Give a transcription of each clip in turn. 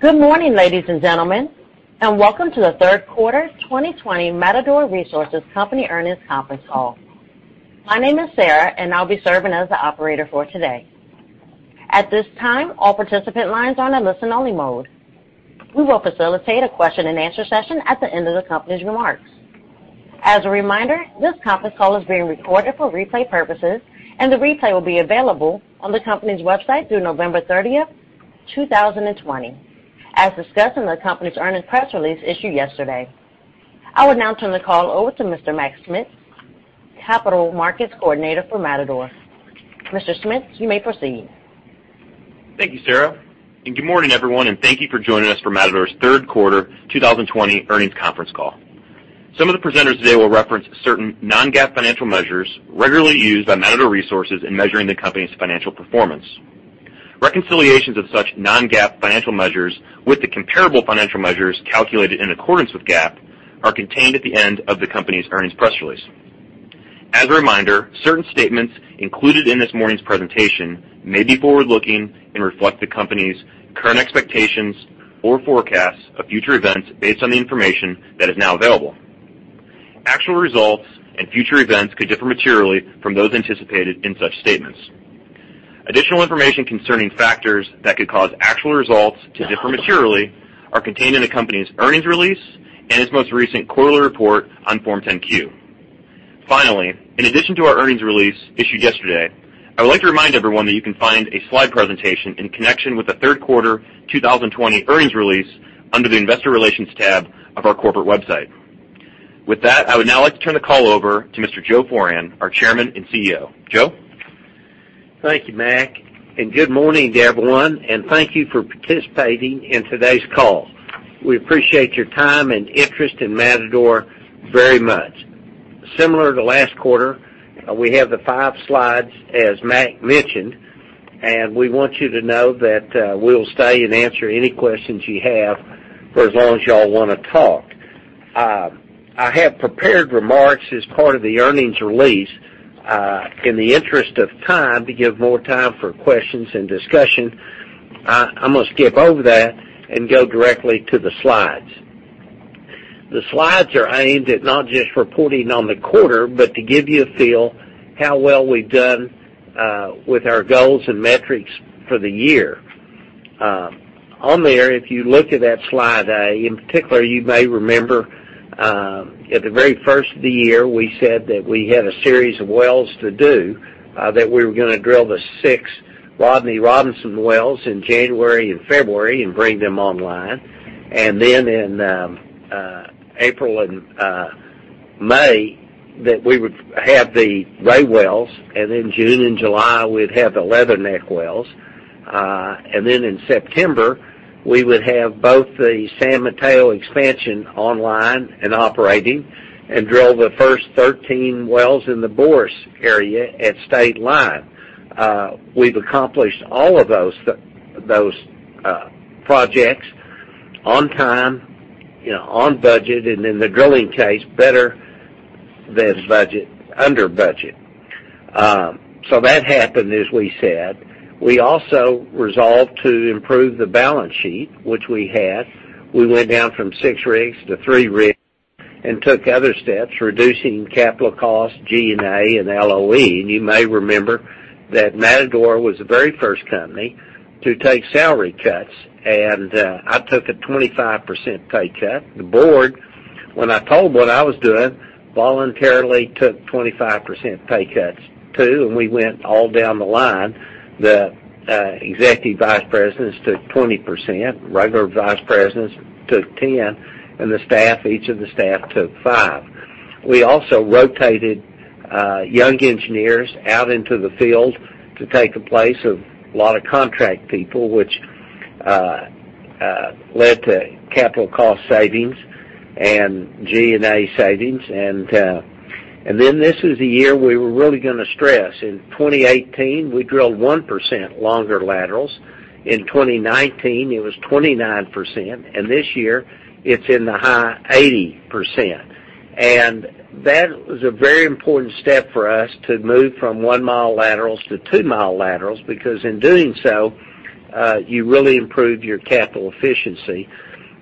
Good morning, ladies and gentlemen, and welcome to the third quarter 2020 Matador Resources Company earnings conference call. My name is Sarah, and I'll be serving as the operator for today. At this time, all participant lines are in listen-only mode. We will facilitate a question-and-answer session at the end of the company's remarks. As a reminder, this conference call is being recorded for replay purposes, and the replay will be available on the company's website through November 30th, 2020, as discussed in the company's earnings press release issued yesterday. I will now turn the call over to Mr. Mac Schmitz, Capital Markets Coordinator for Matador. Mr. Schmitz, you may proceed. Thank you, Sarah. Good morning, everyone, and thank you for joining us for Matador's third quarter 2020 earnings conference call. Some of the presenters today will reference certain non-GAAP financial measures regularly used by Matador Resources in measuring the company's financial performance. Reconciliations of such non-GAAP financial measures with the comparable financial measures calculated in accordance with GAAP are contained at the end of the company's earnings press release. As a reminder, certain statements included in this morning's presentation may be forward-looking and reflect the company's current expectations or forecasts of future events based on the information that is now available. Actual results and future events could differ materially from those anticipated in such statements. Additional information concerning factors that could cause actual results to differ materially are contained in the company's earnings release and its most recent quarterly report on Form 10-Q. In addition to our earnings release issued yesterday, I would like to remind everyone that you can find a slide presentation in connection with the third quarter 2020 earnings release under the investor relations tab of our corporate website. I would now like to turn the call over to Mr. Joe Foran, our Chairman and CEO. Joe? Thank you, Mac. Good morning to everyone. Thank you for participating in today's call. We appreciate your time and interest in Matador very much. Similar to last quarter, we have the five slides, as Mac mentioned. We want you to know that we'll stay and answer any questions you have for as long as y'all wanna talk. I have prepared remarks as part of the earnings release. In the interest of time, to give more time for questions and discussion, I'm gonna skip over that, go directly to the slides. The slides are aimed at not just reporting on the quarter, to give you a feel how well we've done with our goals and metrics for the year. On there, if you look at that slide A, in particular, you may remember, at the very first of the year, we said that we had a series of wells to do, that we were going to drill the six Rodney Robinson wells in January and February and bring them online. Then in April and May, that we would have the Ray wells, and in June and July, we'd have the Leatherneck wells. Then in September, we would have both the San Mateo expansion online and operating and drill the first 13 wells in the Boros area at Stateline. We've accomplished all of those projects on time, on budget, and in the drilling case, better than budget, under budget. That happened as we said. We also resolved to improve the balance sheet, which we had. We went down from six rigs to three rigs and took other steps, reducing capital costs, G&A, and LOE. You may remember that Matador was the very first company to take salary cuts, and I took a 25% pay cut. The board, when I told what I was doing, voluntarily took 25% pay cuts, too, and we went all down the line. The executive vice presidents took 20%, regular vice presidents took 10, and the staff, each of the staff took five. We also rotated young engineers out into the field to take the place of a lot of contract people, which led to capital cost savings and G&A savings. This is the year we were really gonna stress. In 2018, we drilled 1% longer laterals. In 2019, it was 29%, and this year, it's in the high 80%. That was a very important step for us to move from 1-mile laterals to 2-mile laterals, because in doing so, you really improve your capital efficiency,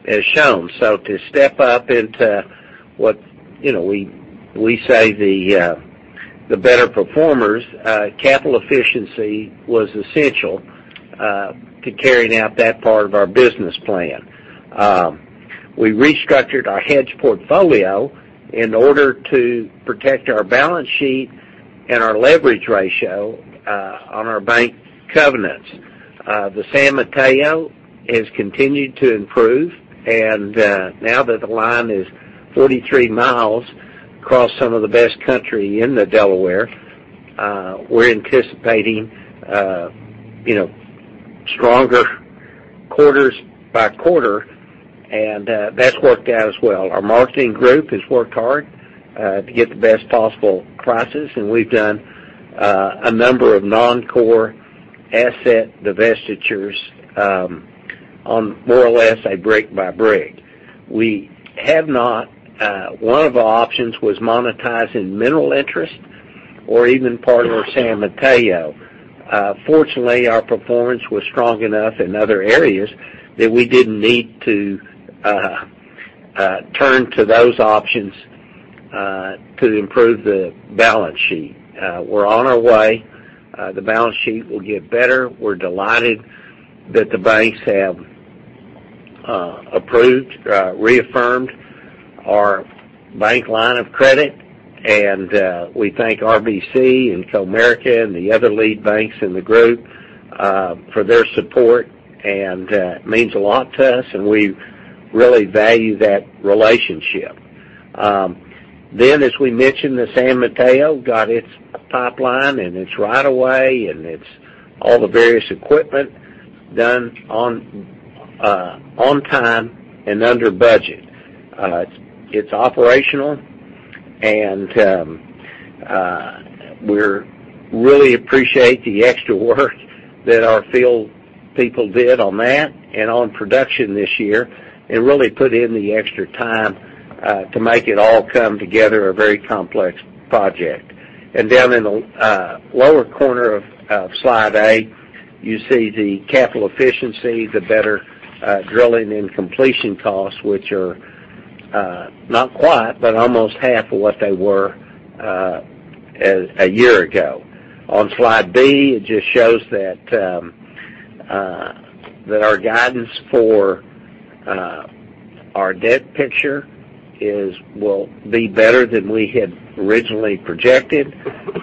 as shown. To step up into what we say, the better performers, capital efficiency was essential to carrying out that part of our business plan. We restructured our hedge portfolio in order to protect our balance sheet and our leverage ratio, on our bank covenants. The San Mateo has continued to improve, and now that the line is 43 miles across some of the best country in the Delaware, we're anticipating stronger quarters by quarter, and that's worked out as well. Our marketing group has worked hard to get the best possible prices, and we've done a number of non-core asset divestitures, on more or less a rig by rig. One of our options was monetizing mineral interest or even part of our San Mateo. Fortunately, our performance was strong enough in other areas that we didn't need to turn to those options to improve the balance sheet. We're on our way. The balance sheet will get better. We're delighted that the banks have approved, reaffirmed our bank line of credit, and we thank RBC and Comerica and the other lead banks in the group for their support, and it means a lot to us, and we really value that relationship. As we mentioned, the San Mateo got its pipeline and its right of way, and its all the various equipment done on time and under budget. It's operational, we really appreciate the extra work that our field people did on that and on production this year and really put in the extra time to make it all come together, a very complex project. Down in the lower corner of slide A, you see the capital efficiency, the better drilling and completion costs, which are not quite, but almost half of what they were a year ago. On slide B, it just shows that our guidance for our debt picture will be better than we had originally projected,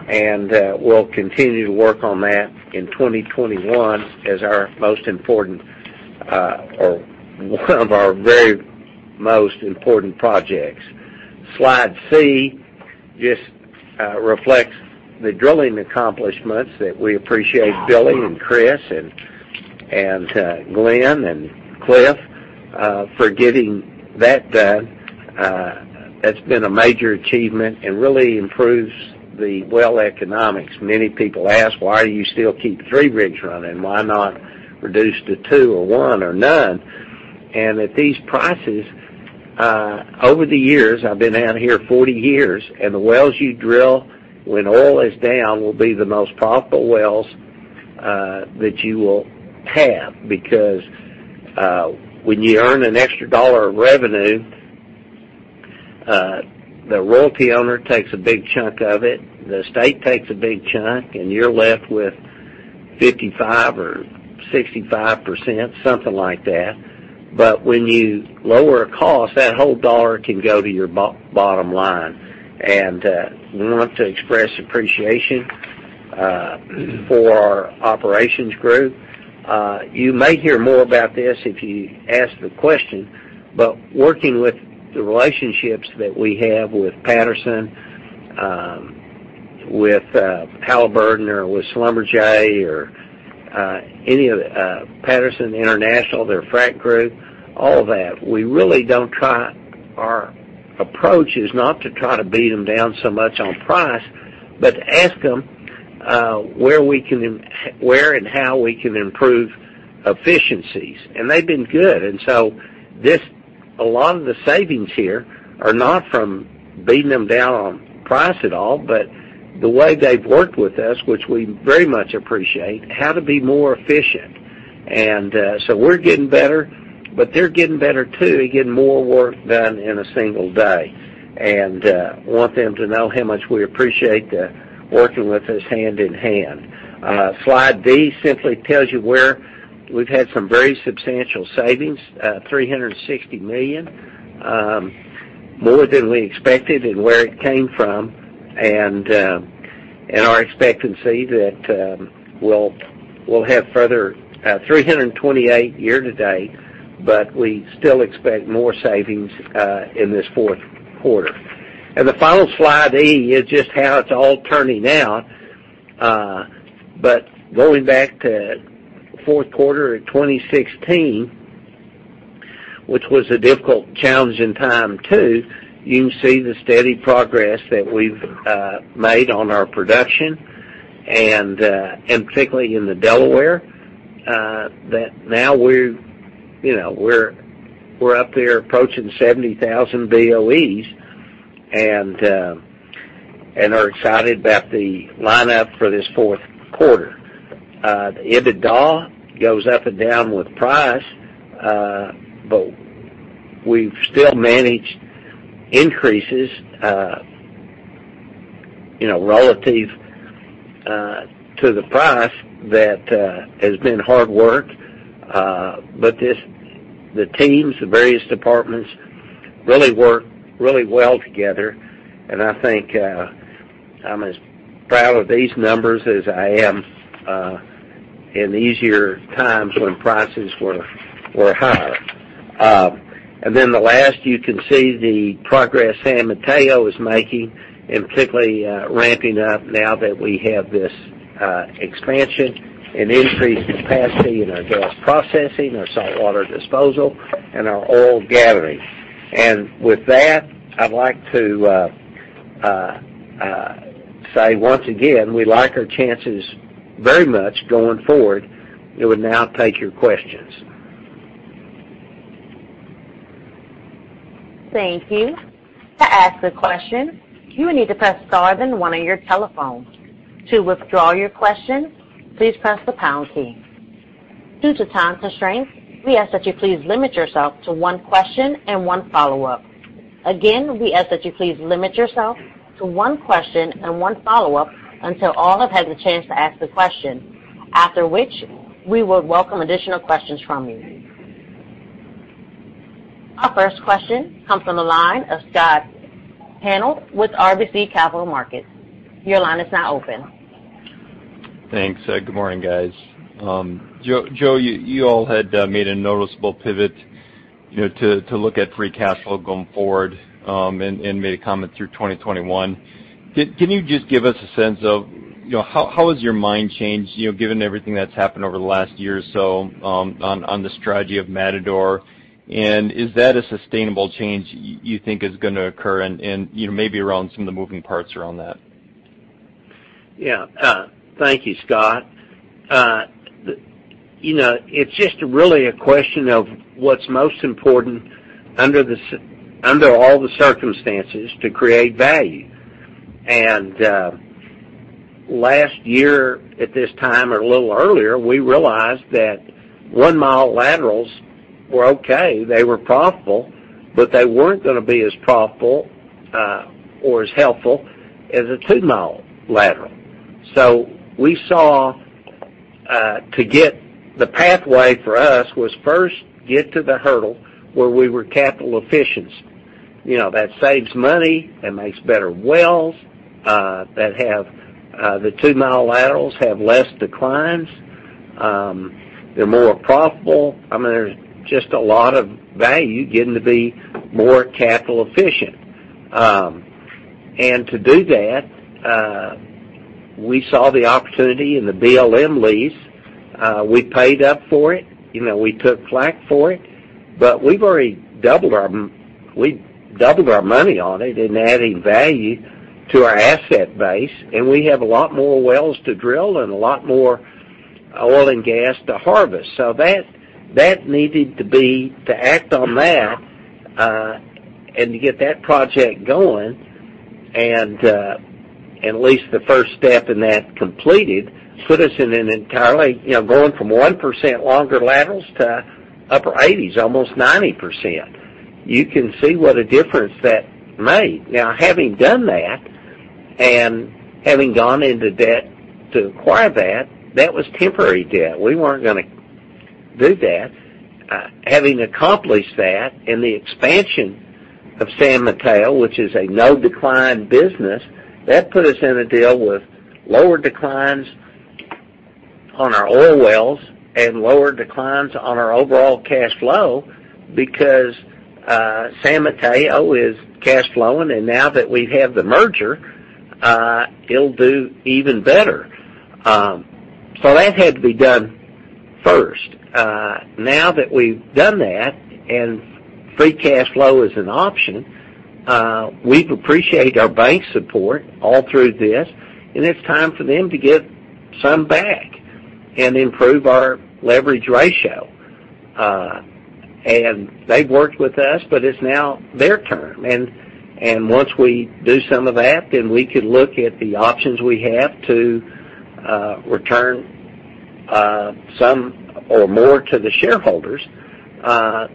and we'll continue to work on that in 2021 as our most important or one of our very most important projects. Slide C just reflects the drilling accomplishments that we appreciate Billy and Chris and Glenn and Cliff for getting that done. That's been a major achievement and really improves the well economics. Many people ask, "Why do you still keep three rigs running? Why not reduce to two or one or none?" At these prices, over the years, I've been out of here 40 years, the wells you drill when oil is down will be the most profitable wells that you will have, because when you earn an extra dollar of revenue, the royalty owner takes a big chunk of it, the state takes a big chunk, you're left with 55% or 65%, something like that. When you lower a cost, that whole dollar can go to your bottom line. We want to express appreciation for our operations group. You may hear more about this if you ask the question, working with the relationships that we have with Patterson, with Halliburton or with Schlumberger or any of Patterson-UTI, their frac group, all that, our approach is not to try to beat them down so much on price, but to ask them where and how we can improve efficiencies. They've been good. A lot of the savings here are not from beating them down on price at all, but the way they've worked with us, which we very much appreciate, how to be more efficient. We're getting better, but they're getting better, too. They're getting more work done in a single day, and want them to know how much we appreciate them working with us hand in hand. Slide D simply tells you where we've had some very substantial savings, $360 million, more than we expected and where it came from, and our expectancy that we'll have $328 year-to-date, but we still expect more savings in this fourth quarter. The final slide, E, is just how it's all turning out. Going back to fourth quarter of 2016, which was a difficult challenging time, too, you can see the steady progress that we've made on our production, and particularly in the Delaware, that now we're up there approaching 70,000 BOEs and are excited about the lineup for this fourth quarter. The EBITDA goes up and down with price, but we've still managed increases relative to the price that has been hard work. The teams, the various departments really work really well together, and I think I'm as proud of these numbers as I am in easier times when prices were higher. Then the last, you can see the progress San Mateo is making, and particularly ramping up now that we have this expansion and increased capacity in our gas processing, our saltwater disposal, and our oil gathering. With that, I'd like to say once again, we like our chances very much going forward and would now take your questions. Thank you. To ask a question, you will need to press star then one on your telephone. To withdraw your question, please press the pound key. Due to time constraints, we ask that you please limit yourself to one question and one follow-up. Again, we ask that you please limit yourself to one question and one follow-up until all have had the chance to ask the question. After which, we will welcome additional questions from you. Our first question comes from the line of Scott Hanold with RBC Capital Markets. Your line is now open. Thanks. Good morning, guys. Joe, you all had made a noticeable pivot to look at free cash flow going forward, and made a comment through 2021. Can you just give us a sense of how has your mind changed, given everything that's happened over the last year or so, on the strategy of Matador? Is that a sustainable change you think is going to occur, and maybe around some of the moving parts around that? Thank you, Scott. It's just really a question of what's most important under all the circumstances to create value. Last year at this time, or a little earlier, we realized that one-mile laterals were okay. They were profitable, but they weren't going to be as profitable, or as helpful as a two-mile lateral. We saw to get the pathway for us was first get to the hurdle where we were capital efficient. That saves money, that makes better wells. The two-mile laterals have less declines. They're more profitable. There's just a lot of value getting to be more capital efficient. To do that, we saw the opportunity in the BLM lease. We paid up for it. We took flak for it, but we've already doubled our money on it in adding value to our asset base, and we have a lot more wells to drill and a lot more oil and gas to harvest. To act on that, and to get that project going and at least the first step in that completed, put us in an entirely, going from 1% longer laterals to upper 80s, almost 90%. You can see what a difference that made. Now, having done that, and having gone into debt to acquire that was temporary debt. We weren't going to do that. Having accomplished that and the expansion of San Mateo, which is a no-decline business, that put us in a deal with lower declines on our oil wells and lower declines on our overall cash flow because San Mateo is cash flowing, and now that we have the merger, it'll do even better. That had to be done first. Now that we've done that and free cash flow is an option, we appreciate our bank support all through this, and it's time for them to get some back and improve our leverage ratio. They've worked with us, but it's now their turn, and once we do some of that, then we could look at the options we have to return some or more to the shareholders.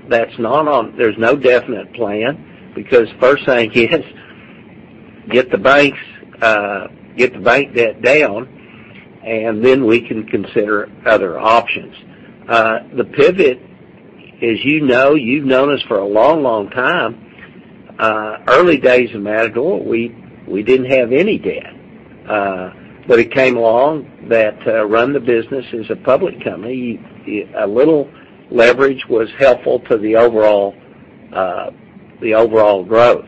There's no definite plan, because first thing is get the bank debt down, and then we can consider other options. The pivot, as you know, you've known us for a long time, early days of Matador, we didn't have any debt. It came along that to run the business as a public company, a little leverage was helpful to the overall growth.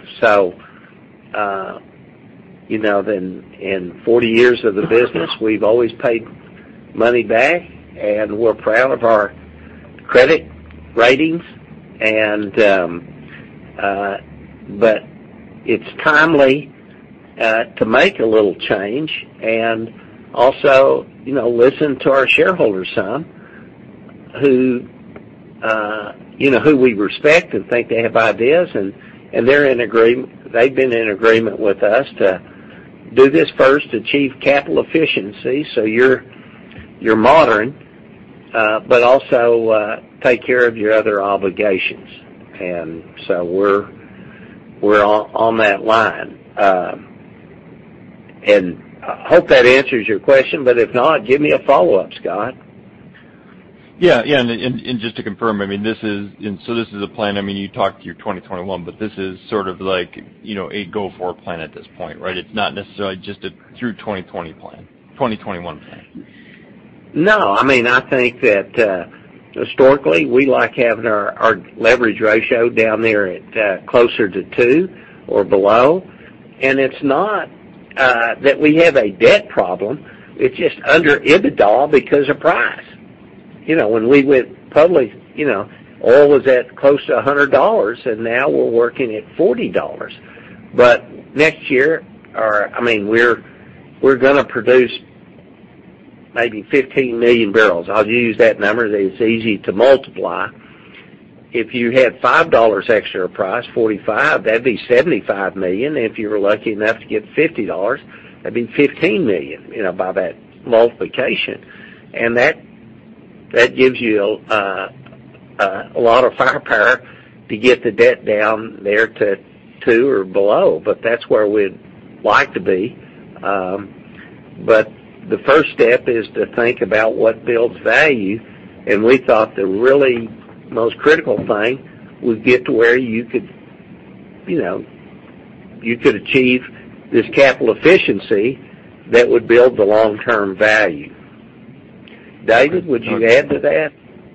In 40 years of the business, we've always paid money back, and we're proud of our credit ratings, but it's timely to make a little change and also listen to our shareholders some, who we respect and think they have ideas, and they've been in agreement with us to do this first, achieve capital efficiency. You're modern, but also take care of your other obligations. We're on that line. I hope that answers your question, but if not, give me a follow-up, Scott. Yeah. Just to confirm, so this is a plan, you talked through 2021, but this is sort of like a go-forward plan at this point, right? It's not necessarily just a through 2021 plan. No. I think that historically, we like having our leverage ratio down there at closer to two or below, and it's not that we have a debt problem, it's just under EBITDA because of price. When we went public, oil was at close to $100, and now we're working at $40. Next year, we're going to produce maybe 15 million barrels. I'll use that number that is easy to multiply. If you had $5 extra price, $45, that'd be $75 million. If you were lucky enough to get $50, that'd be $15 million, by that multiplication. That gives you a lot of firepower to get the debt down there to two or below. That's where we'd like to be. The first step is to think about what builds value, and we thought the really most critical thing would get to where you could achieve this capital efficiency that would build the long-term value. David, would you add to that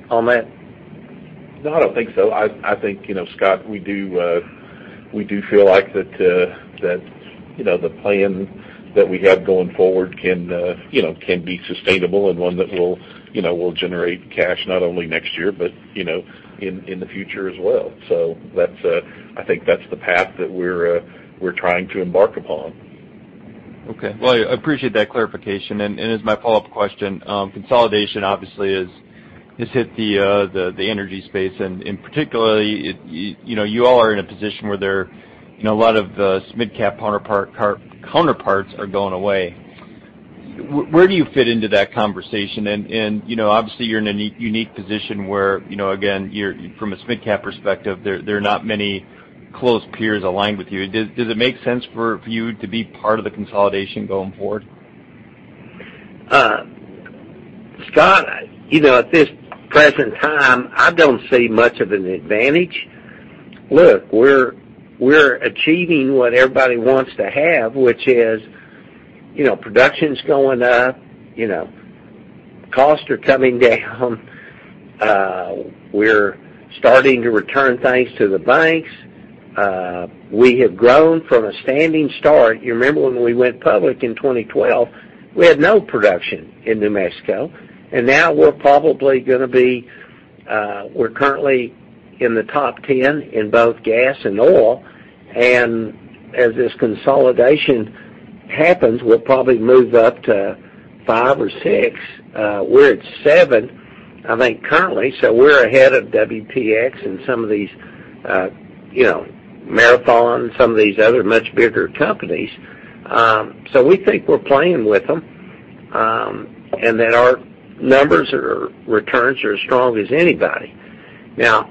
on that? No, I don't think so. I think, Scott, we do feel like that the plan that we have going forward can be sustainable and one that will generate cash not only next year, but in the future as well. I think that's the path that we're trying to embark upon. Okay. Well, I appreciate that clarification, and as my follow-up question, consolidation obviously has hit the energy space, and particularly, you all are in a position where there a lot of mid-cap counterparts are going away. Where do you fit into that conversation? Obviously, you're in a unique position where, again, from a mid-cap perspective, there are not many close peers aligned with you. Does it make sense for you to be part of the consolidation going forward? Scott, at this present time, I don't see much of an advantage. Look, we're achieving what everybody wants to have, which is production's going up, costs are coming down. We're starting to return things to the banks. We have grown from a standing start. You remember when we went public in 2012, we had no production in New Mexico. Now we're currently in the top 10 in both gas and oil. As this consolidation happens, we'll probably move up to five or six. We're at seven, I think, currently. We're ahead of WPX, some of these, Marathon, some of these other much bigger companies. We think we're playing with them, that our numbers or returns are as strong as anybody. Now,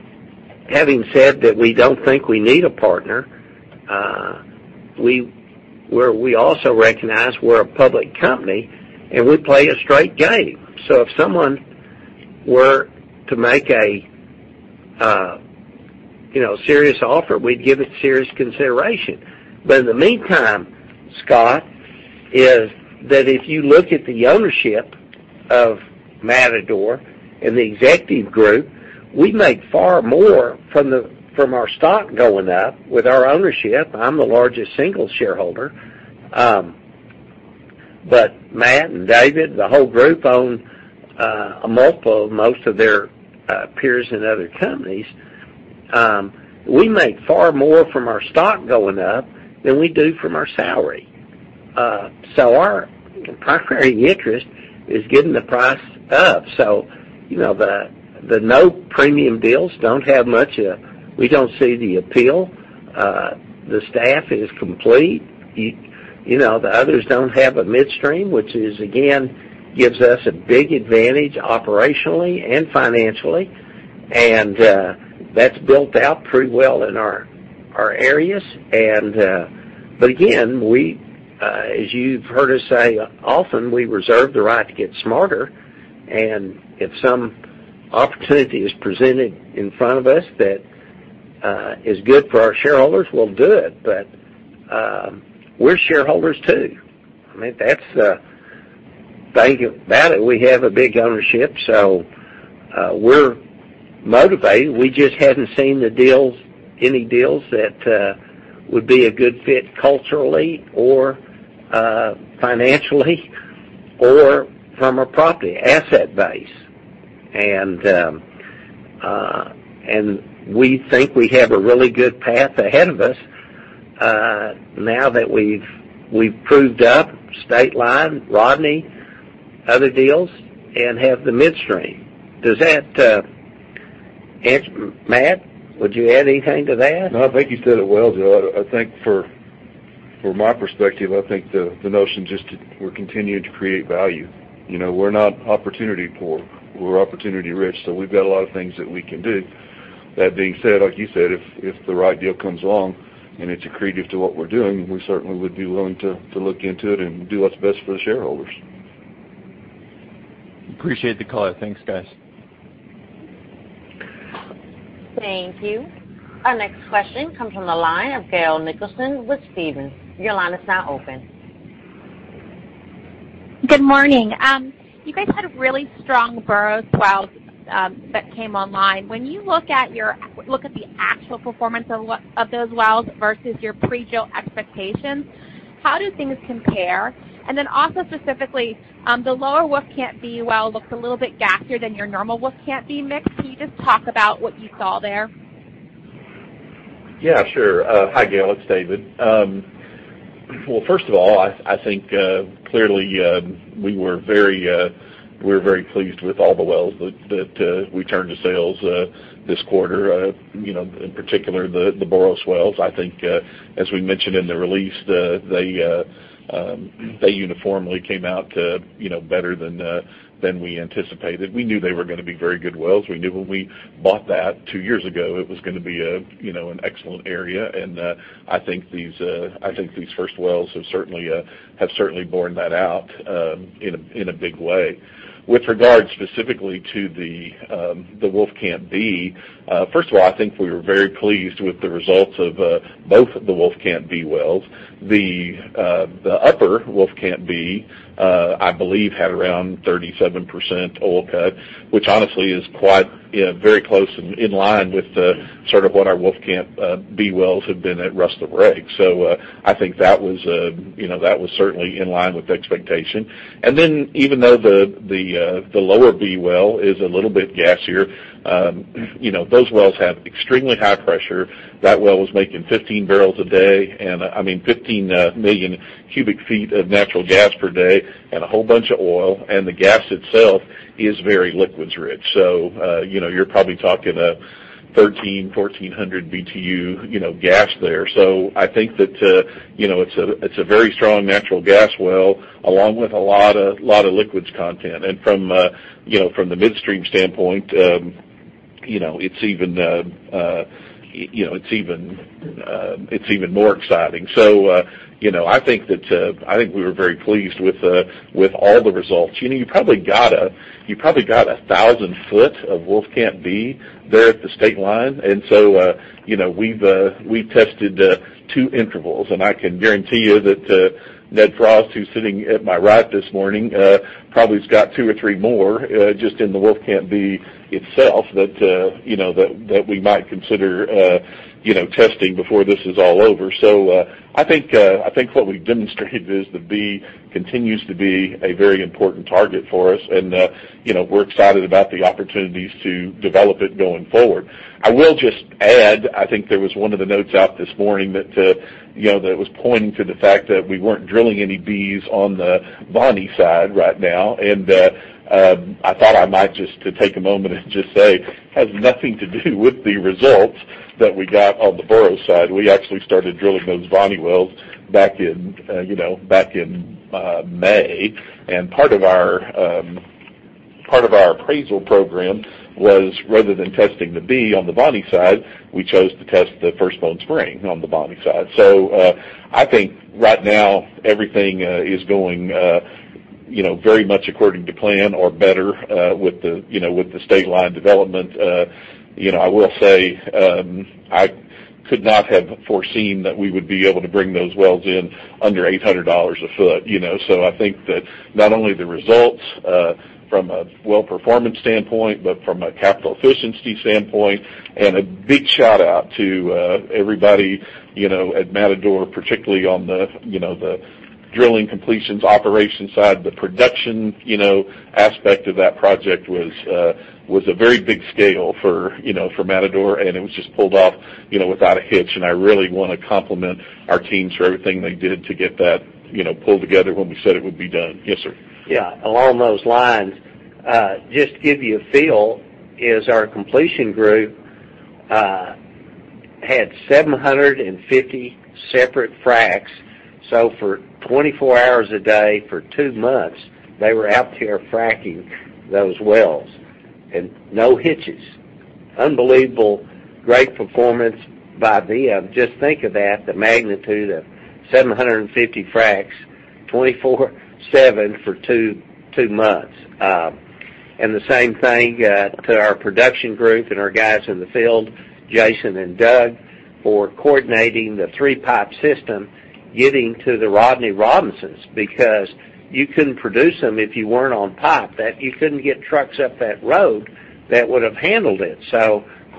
having said that, we don't think we need a partner. We also recognize we're a public company. We play a straight game. If someone were to make a serious offer, we'd give it serious consideration. In the meantime, Scott, if you look at the ownership of Matador and the executive group, we make far more from our stock going up with our ownership. I'm the largest single shareholder. Matt and David, the whole group own a multiple of most of their peers in other companies. We make far more from our stock going up than we do from our salary. Our proprietary interest is getting the price up. The no premium deals don't have much. We don't see the appeal. The staff is complete. The others don't have a midstream, which is, again, gives us a big advantage operationally and financially, and that's built out pretty well in our areas. Again, as you've heard us say, often we reserve the right to get smarter, and if some opportunity is presented in front of us that is good for our shareholders, we'll do it. We're shareholders, too. I mean, think about it. We have a big ownership, so we're motivated. We just haven't seen any deals that would be a good fit culturally or financially or from a property asset base. We think we have a really good path ahead of us now that we've proved up Stateline, Rodney, other deals, and have the midstream. Matt, would you add anything to that? No, I think you said it well, Joe. I think from my perspective, I think the notion just we're continuing to create value. We're not opportunity poor. We're opportunity rich. We've got a lot of things that we can do. That being said, like you said, if the right deal comes along and it's accretive to what we're doing, we certainly would be willing to look into it and do what's best for the shareholders. Appreciate the call. Thanks, guys. Thank you. Our next question comes from the line of Gail Nicholson with Stephens. Your line is now open. Good morning. You guys had a really strong Boros well that came online. When you look at the actual performance of those wells versus your pre-drill expectations, how do things compare? Also specifically, the Lower Wolfcamp B well looks a little bit gassier than your normal Wolfcamp B mix. Can you just talk about what you saw there? Sure. Hi, Gail, it's David. Well, first of all, I think clearly we're very pleased with all the wells that we turned to sales this quarter. In particular, the Boros wells. I think, as we mentioned in the release, they uniformly came out better than we anticipated. We knew they were going to be very good wells. We knew when we bought that two years ago, it was going to be an excellent area, and I think these first wells have certainly borne that out in a big way. With regard specifically to the Wolfcamp B, first of all, I think we were very pleased with the results of both the Wolfcamp B wells. The upper Wolfcamp B, I believe, had around 37% oil cut, which honestly is very close and in line with sort of what our Wolfcamp B wells have been at Rustler Breaks. I think that was certainly in line with expectation. Even though the lower B well is a little bit gassier, those wells have extremely high pressure. That well was making 15 million cubic feet of natural gas per day and a whole bunch of oil, and the gas itself is very liquids rich. You're probably talking a 1,300, 1,400 BTU gas there. I think that it's a very strong natural gas well along with a lot of liquids content. From the midstream standpoint, it's even more exciting. I think we were very pleased with all the results. You probably got 1,000 foot of Wolfcamp B there at the state line. We tested two intervals, and I can guarantee you that Ned Frost, who's sitting at my right this morning probably has got two or three more just in the Wolfcamp B itself that we might consider testing before this is all over. I think what we've demonstrated is the B continues to be a very important target for us and we're excited about the opportunities to develop it going forward. I will just add, I think there was one of the notes out this morning that was pointing to the fact that we weren't drilling any Bs on the Voni side right now, and I thought I might just to take a moment and just say, it has nothing to do with the results that we got on the Boros side. We actually started drilling those Voni wells back in May, and part of our appraisal program was, rather than testing the B on the Voni side, we chose to test the First Bone Spring on the Voni side. I think right now everything is going very much according to plan or better with the Stateline development. I will say, I could not have foreseen that we would be able to bring those wells in under $800 a foot. I think that not only the results from a well performance standpoint, but from a capital efficiency standpoint, and a big shout-out to everybody at Matador, particularly on the drilling completions operations side. The production aspect of that project was a very big scale for Matador. It was just pulled off without a hitch. I really want to compliment our teams for everything they did to get that pulled together when we said it would be done. Yes, sir. Along those lines, just to give you a feel is our completion group had 750 separate fracs. For 24 hours a day for two months, they were out there fracking those wells and no hitches. Unbelievable, great performance by them. Just think of that, the magnitude of 750 fracs, 24/7 for two months. The same thing to our production group and our guys in the field, Jason and Doug, for coordinating the three-pipe system, getting to the Rodney Robinsons, because you couldn't produce them if you weren't on pipe. You couldn't get trucks up that road that would have handled it.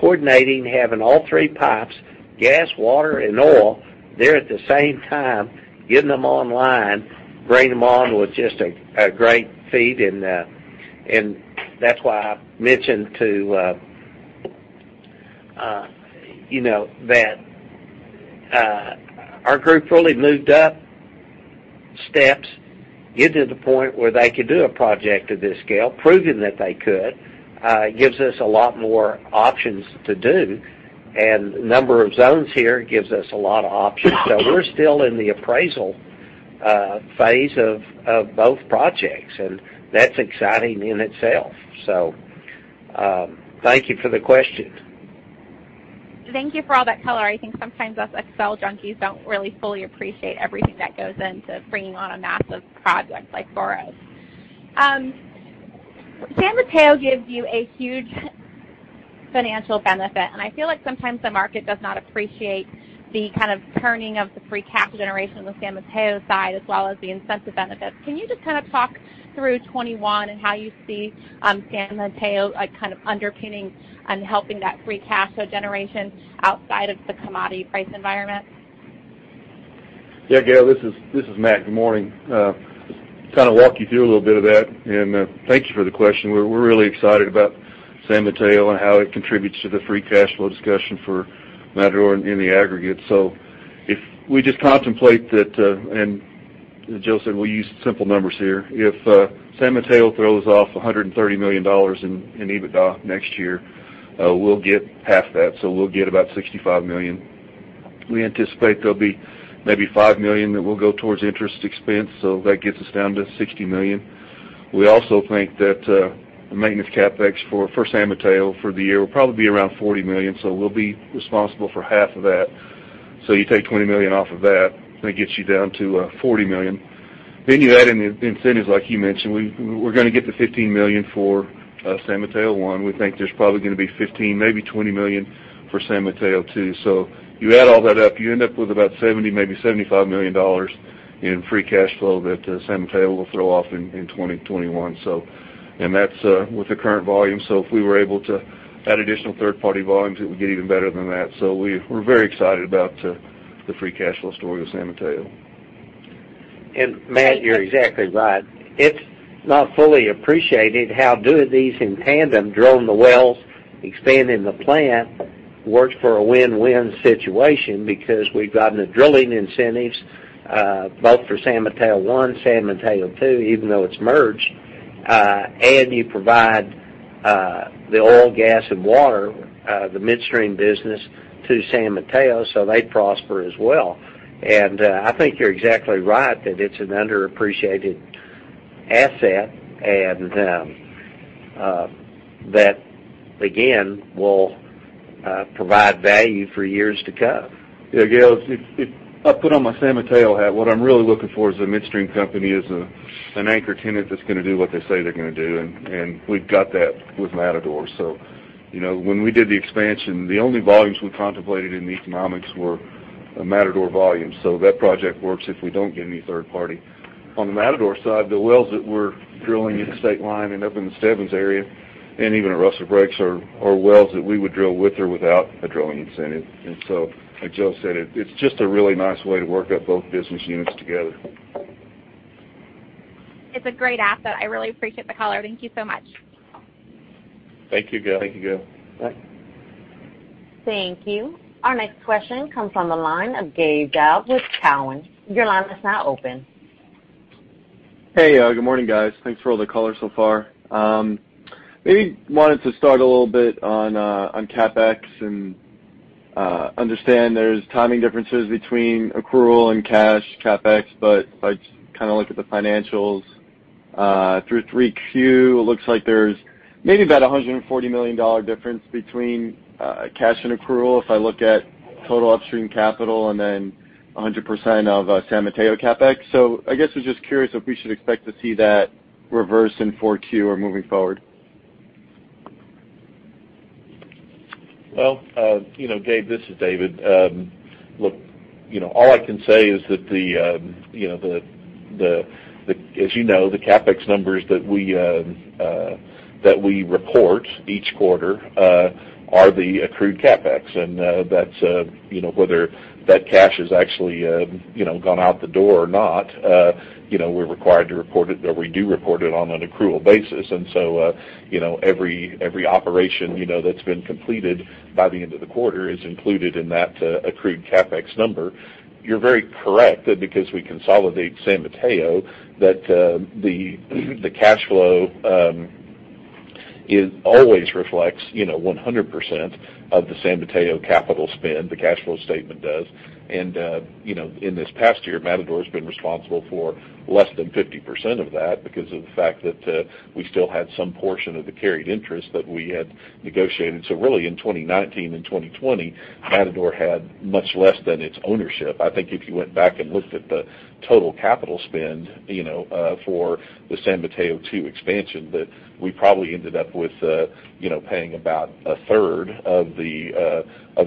Coordinating, having all three pipes, gas, water, and oil there at the same time, getting them online, bringing them on, was just a great feat. That's why I mentioned too that our group really moved up steps, getting to the point where they could do a project of this scale, proving that they could. It gives us a lot more options to do, and number of zones here gives us a lot of options. We're still in the appraisal phase of both projects, and that's exciting in itself. Thank you for the question. Thank you for all that color. I think sometimes us Excel junkies don't really fully appreciate everything that goes into bringing on a massive project like Boros. San Mateo gives you a huge financial benefit, and I feel like sometimes the market does not appreciate the kind of turning of the free cash generation on the San Mateo side as well as the incentive benefits. Can you just talk through 2021 and how you see San Mateo underpinning and helping that free cash flow generation outside of the commodity price environment? Gail, this is Matt. Good morning. Just to walk you through a little bit of that, and thank you for the question. We're really excited about San Mateo and how it contributes to the free cash flow discussion for Matador in the aggregate. If we just contemplate that, and as Joe said, we'll use simple numbers here. If San Mateo throws off $130 million in EBITDA next year, we'll get half that, we'll get about $65 million. We anticipate there'll be maybe $5 million that will go towards interest expense, that gets us down to $60 million. We also think that the maintenance CapEx for San Mateo for the year will probably be around $40 million, we'll be responsible for half of that. You take $20 million off of that gets you down to $40 million. You add in the incentives like you mentioned. We're going to get the $15 million for San Mateo I. We think there's probably going to be $15 million, maybe $20 million for San Mateo II. You add all that up, you end up with about $70 million, maybe $75 million in free cash flow that San Mateo will throw off in 2021. That's with the current volume. If we were able to add additional third-party volumes, it would get even better than that. We're very excited about the free cash flow story with San Mateo. Matt, you're exactly right. It's not fully appreciated how doing these in tandem, drilling the wells, expanding the plant, works for a win-win situation because we've gotten the drilling incentives both for San Mateo I, San Mateo II, even though it's merged. You provide the oil, gas, and water, the midstream business to San Mateo, so they prosper as well. I think you're exactly right that it's an underappreciated asset, and that again, will provide value for years to come. Gail, if I put on my San Mateo hat, what I'm really looking for as a midstream company is an anchor tenant that's going to do what they say they're going to do, we've got that with Matador. When we did the expansion, the only volumes we contemplated in the economics were Matador volumes. That project works if we don't get any third party. On the Matador side, the wells that we're drilling at the Stateline and up in the Stebbins area, even at Rustler Breaks are wells that we would drill with or without a drilling incentive. As Joe said, it's just a really nice way to work up both business units together. It's a great asset. I really appreciate the color. Thank you so much. Thank you, Gail. Thank you, Gail. Bye. Thank you. Our next question comes from the line of Gabe Daoud with Cowen. Your line is now open. Hey, good morning, guys. Thanks for all the color so far. Wanted to start a little bit on CapEx and understand there's timing differences between accrual and cash CapEx, but if I just look at the financials through 3Q, it looks like there's maybe about $140 million difference between cash and accrual if I look at total upstream capital and then 100% of San Mateo CapEx. I guess I was just curious if we should expect to see that reverse in 4Q or moving forward. Gabe, this is David. Look, all I can say is that as you know, the CapEx numbers that we report each quarter are the accrued CapEx, and whether that cash has actually gone out the door or not, we're required to report it, or we do report it on an accrual basis. Every operation that's been completed by the end of the quarter is included in that accrued CapEx number. You're very correct that because we consolidate San Mateo, that the cash flow always reflects 100% of the San Mateo capital spend, the cash flow statement does. In this past year, Matador has been responsible for less than 50% of that because of the fact that we still had some portion of the carried interest that we had negotiated. Really in 2019 and 2020, Matador had much less than its ownership. I think if you went back and looked at the total capital spend for the San Mateo II expansion, that we probably ended up with paying about a third of the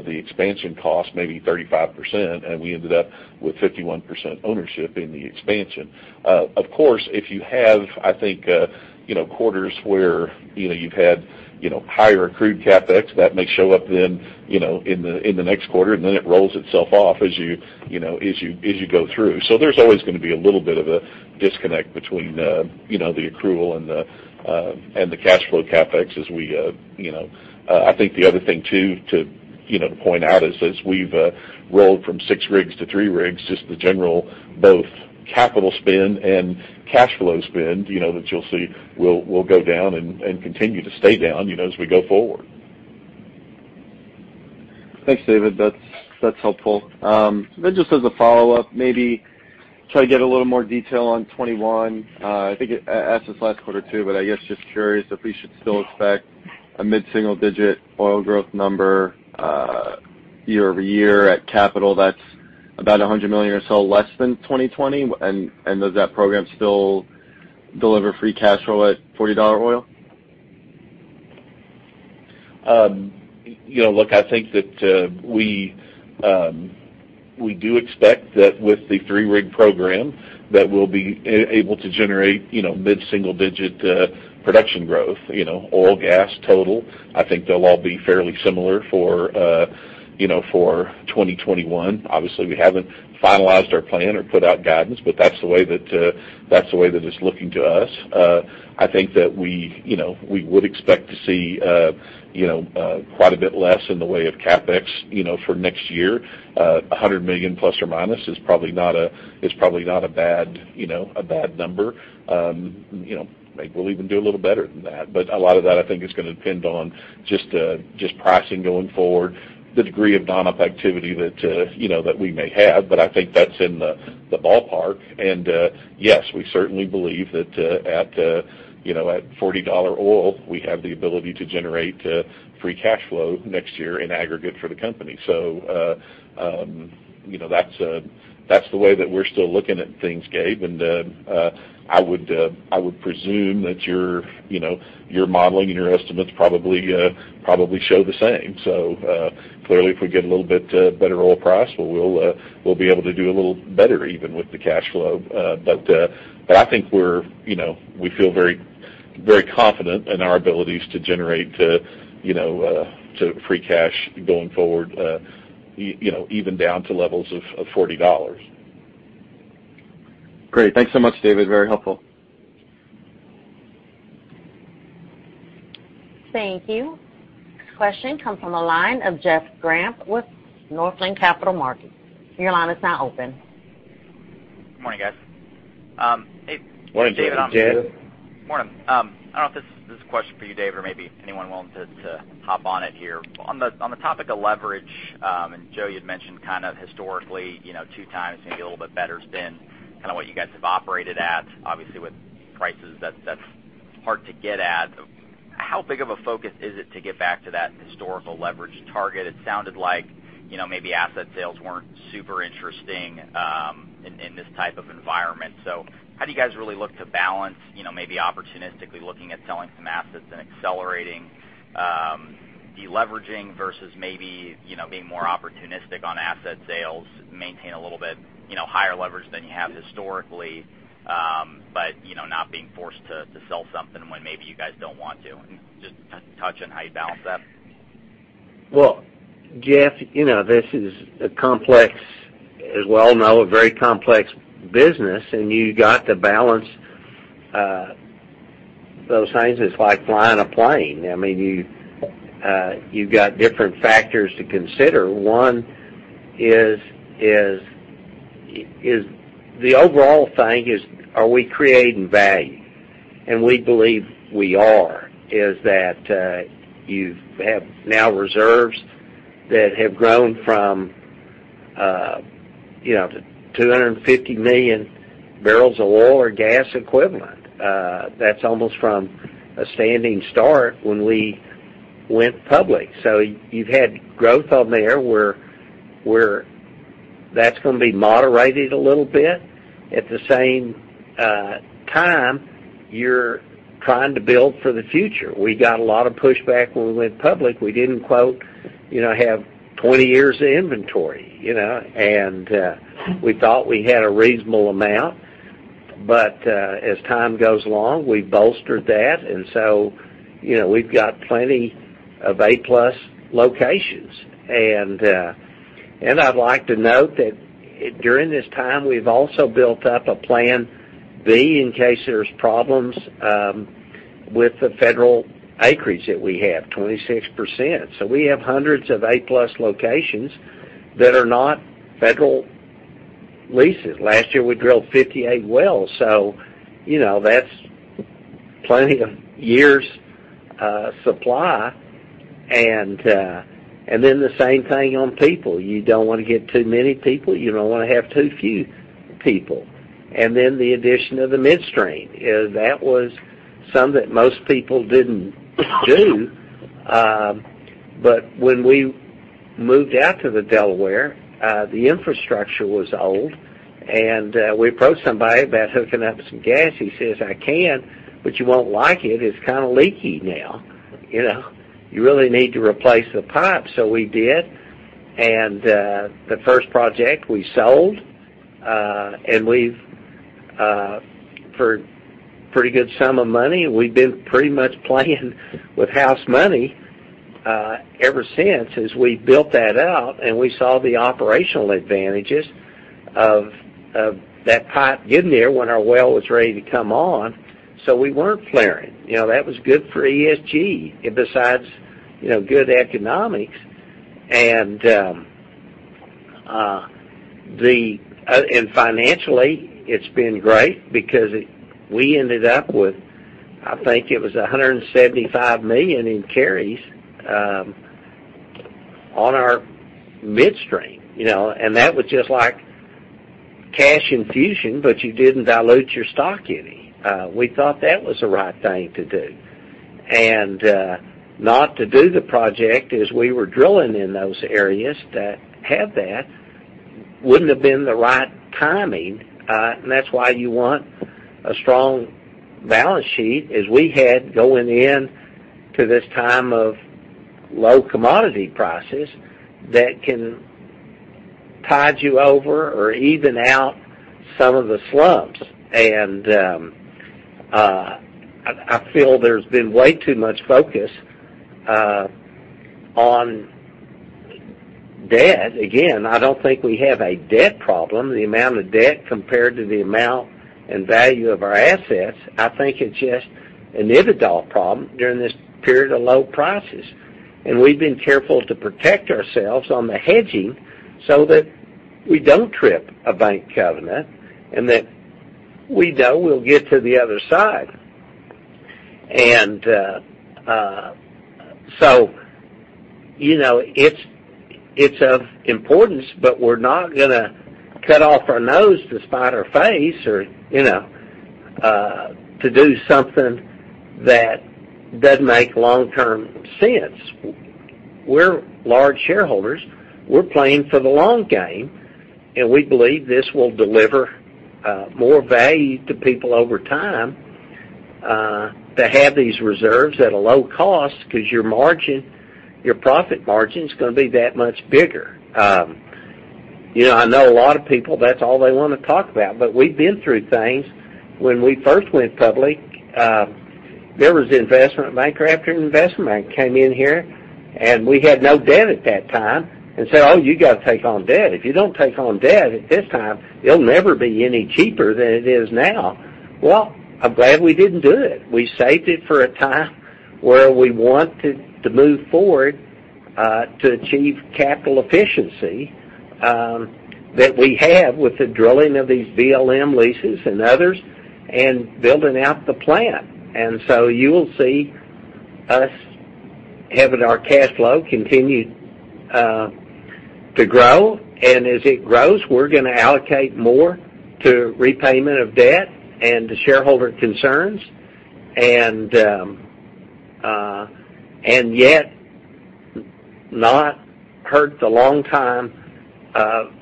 expansion cost, maybe 35%, and we ended up with 51% ownership in the expansion. Of course, if you have quarters where you've had higher accrued CapEx, that may show up then in the next quarter, and then it rolls itself off as you go through. There's always going to be a little bit of a disconnect between the accrual and the cash flow CapEx. I think the other thing too to point out is, as we've rolled from six rigs to three rigs, just the general both capital spend and cash flow spend that you'll see will go down and continue to stay down as we go forward. Thanks, David. That's helpful. Just as a follow-up, maybe try to get a little more detail on 2021. I think it asked this last quarter too, but I guess just curious if we should still expect a mid-single-digit oil growth number year-over-year at capital that's about $100 million or so less than 2020? Does that program still deliver free cash flow at $40 oil? Look, I think that we do expect that with the three-rig program, that we'll be able to generate mid-single digit production growth, oil, gas, total. I think they'll all be fairly similar for 2021. Obviously, we haven't finalized our plan or put out guidance, but that's the way that it's looking to us. I think that we would expect to see quite a bit less in the way of CapEx for next year. ±$100 million is probably not a bad number. Maybe we'll even do a little better than that. A lot of that, I think, is going to depend on just pricing going forward, the degree of non-op activity that we may have. I think that's in the ballpark. Yes, we certainly believe that at $40 oil, we have the ability to generate free cash flow next year in aggregate for the company. That's the way that we're still looking at things, Gabe, and I would presume that your modeling and your estimates probably show the same. Clearly, if we get a little bit better oil price, we'll be able to do a little better even with the cash flow. I think we feel very confident in our abilities to generate free cash going forward, even down to levels of $40. Great. Thanks so much, David. Very helpful. Thank you. Next question comes from the line of Jeff Grampp with Northland Capital Markets. Your line is now open. Good morning, guys. Good morning, Jeff. Good morning. I don't know if this is a question for you, David, or maybe anyone willing to hop on it here. On the topic of leverage, Joe, you'd mentioned historically, two times may be a little bit better has been what you guys have operated at. Obviously, with prices that's hard to get at. How big of a focus is it to get back to that historical leverage target? It sounded like maybe asset sales weren't super interesting in this type of environment. How do you guys really look to balance, maybe opportunistically looking at selling some assets and accelerating de-leveraging versus maybe being more opportunistic on asset sales, maintain a little bit higher leverage than you have historically, but not being forced to sell something when maybe you guys don't want to, and just touch on how you balance that? Well, Jeff, this is a complex, as we all know, a very complex business, and you've got to balance those things. It's like flying a plane. You've got different factors to consider. One is the overall thing is, are we creating value? We believe we are, is that you have now reserves that have grown from 250 million barrels of oil or gas equivalent. That's almost from a standing start when we went public. You've had growth on there where that's going to be moderated a little bit. At the same time, you're trying to build for the future. We got a lot of pushback when we went public. We didn't "have 20 years of inventory." We thought we had a reasonable amount. As time goes along, we bolstered that. We've got plenty of A+ locations. I'd like to note that during this time, we've also built up a plan B in case there's problems with the federal acreage that we have, 26%. We have hundreds of A+ locations that are not federal leases. Last year, we drilled 58 wells, that's plenty of years supply. The same thing on people. You don't want to get too many people. You don't want to have too few people. The addition of the midstream. That was something that most people didn't do. When we moved out to the Delaware, the infrastructure was old, and we approached somebody about hooking up some gas. He says, "I can, but you won't like it. It's kind of leaky now. You really need to replace the pipe." We did, and the first project we sold for a pretty good sum of money, and we've been pretty much playing with house money ever since as we built that out and we saw the operational advantages of that pipe being there when our well was ready to come on, so we weren't flaring. That was good for ESG, besides good economics. Financially, it's been great because we ended up with, I think it was $175 million in carries on our midstream. That was just like cash infusion, but you didn't dilute your stock any. We thought that was the right thing to do, and not to do the project as we were drilling in those areas that had that Wouldn't have been the right timing, and that's why you want a strong balance sheet as we had going in to this time of low commodity prices that can tide you over or even out some of the slumps. I feel there's been way too much focus on debt. Again, I don't think we have a debt problem. The amount of debt compared to the amount and value of our assets, I think it's just an adult problem during this period of low prices. We've been careful to protect ourselves on the hedging so that we don't trip a bank covenant and that we know we'll get to the other side. So it's of importance, but we're not going to cut off our nose to spite our face or to do something that doesn't make long-term sense. We're large shareholders. We're playing for the long game, and we believe this will deliver more value to people over time to have these reserves at a low cost because your profit margin is going to be that much bigger. I know a lot of people, that's all they want to talk about, but we've been through things. When we first went public, there was an investment banker after investment bank came in here, and we had no debt at that time and said, "Oh, you got to take on debt. If you don't take on debt at this time, it'll never be any cheaper than it is now." Well, I'm glad we didn't do it. We saved it for a time where we want to move forward to achieve capital efficiency that we have with the drilling of these BLM leases and others and building out the plant. You will see us having our cash flow continue to grow. As it grows, we're going to allocate more to repayment of debt and to shareholder concerns, and yet not hurt the long-time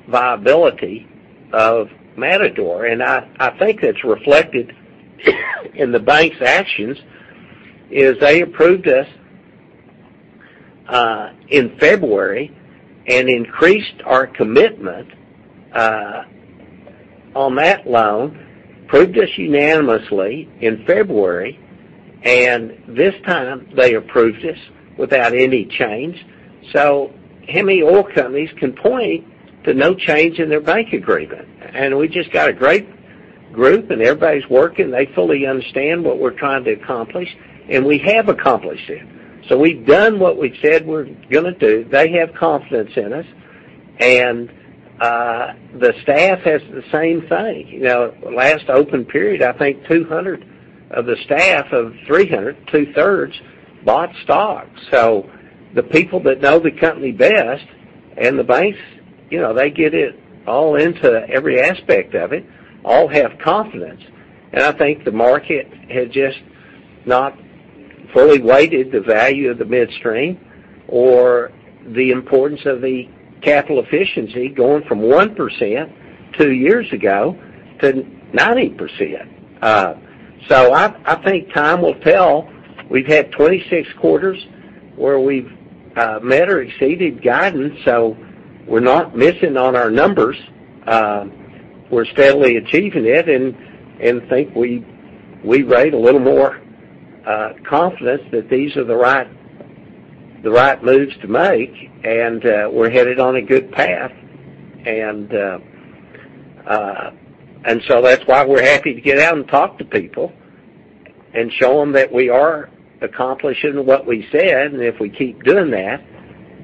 viability of Matador. I think that's reflected in the bank's actions, is they approved us in February and increased our commitment on that loan, approved us unanimously in February, and this time they approved us without any change. How many oil companies can point to no change in their bank agreement? We just got a great group and everybody's working. They fully understand what we're trying to accomplish, and we have accomplished it. We've done what we said we're going to do. They have confidence in us, and the staff has the same thing. Last open period, I think 200 of the staff of 300, two-thirds, bought stock. The people that know the company best and the banks, they get it all into every aspect of it, all have confidence. I think the market had just not fully weighted the value of the midstream or the importance of the capital efficiency going from 1% two years ago to 90%. I think time will tell. We've had 26 quarters where we've met or exceeded guidance, so we're not missing on our numbers. We're steadily achieving it, and think we rate a little more confidence that these are the right moves to make, and we're headed on a good path. That's why we're happy to get out and talk to people and show them that we are accomplishing what we said. If we keep doing that,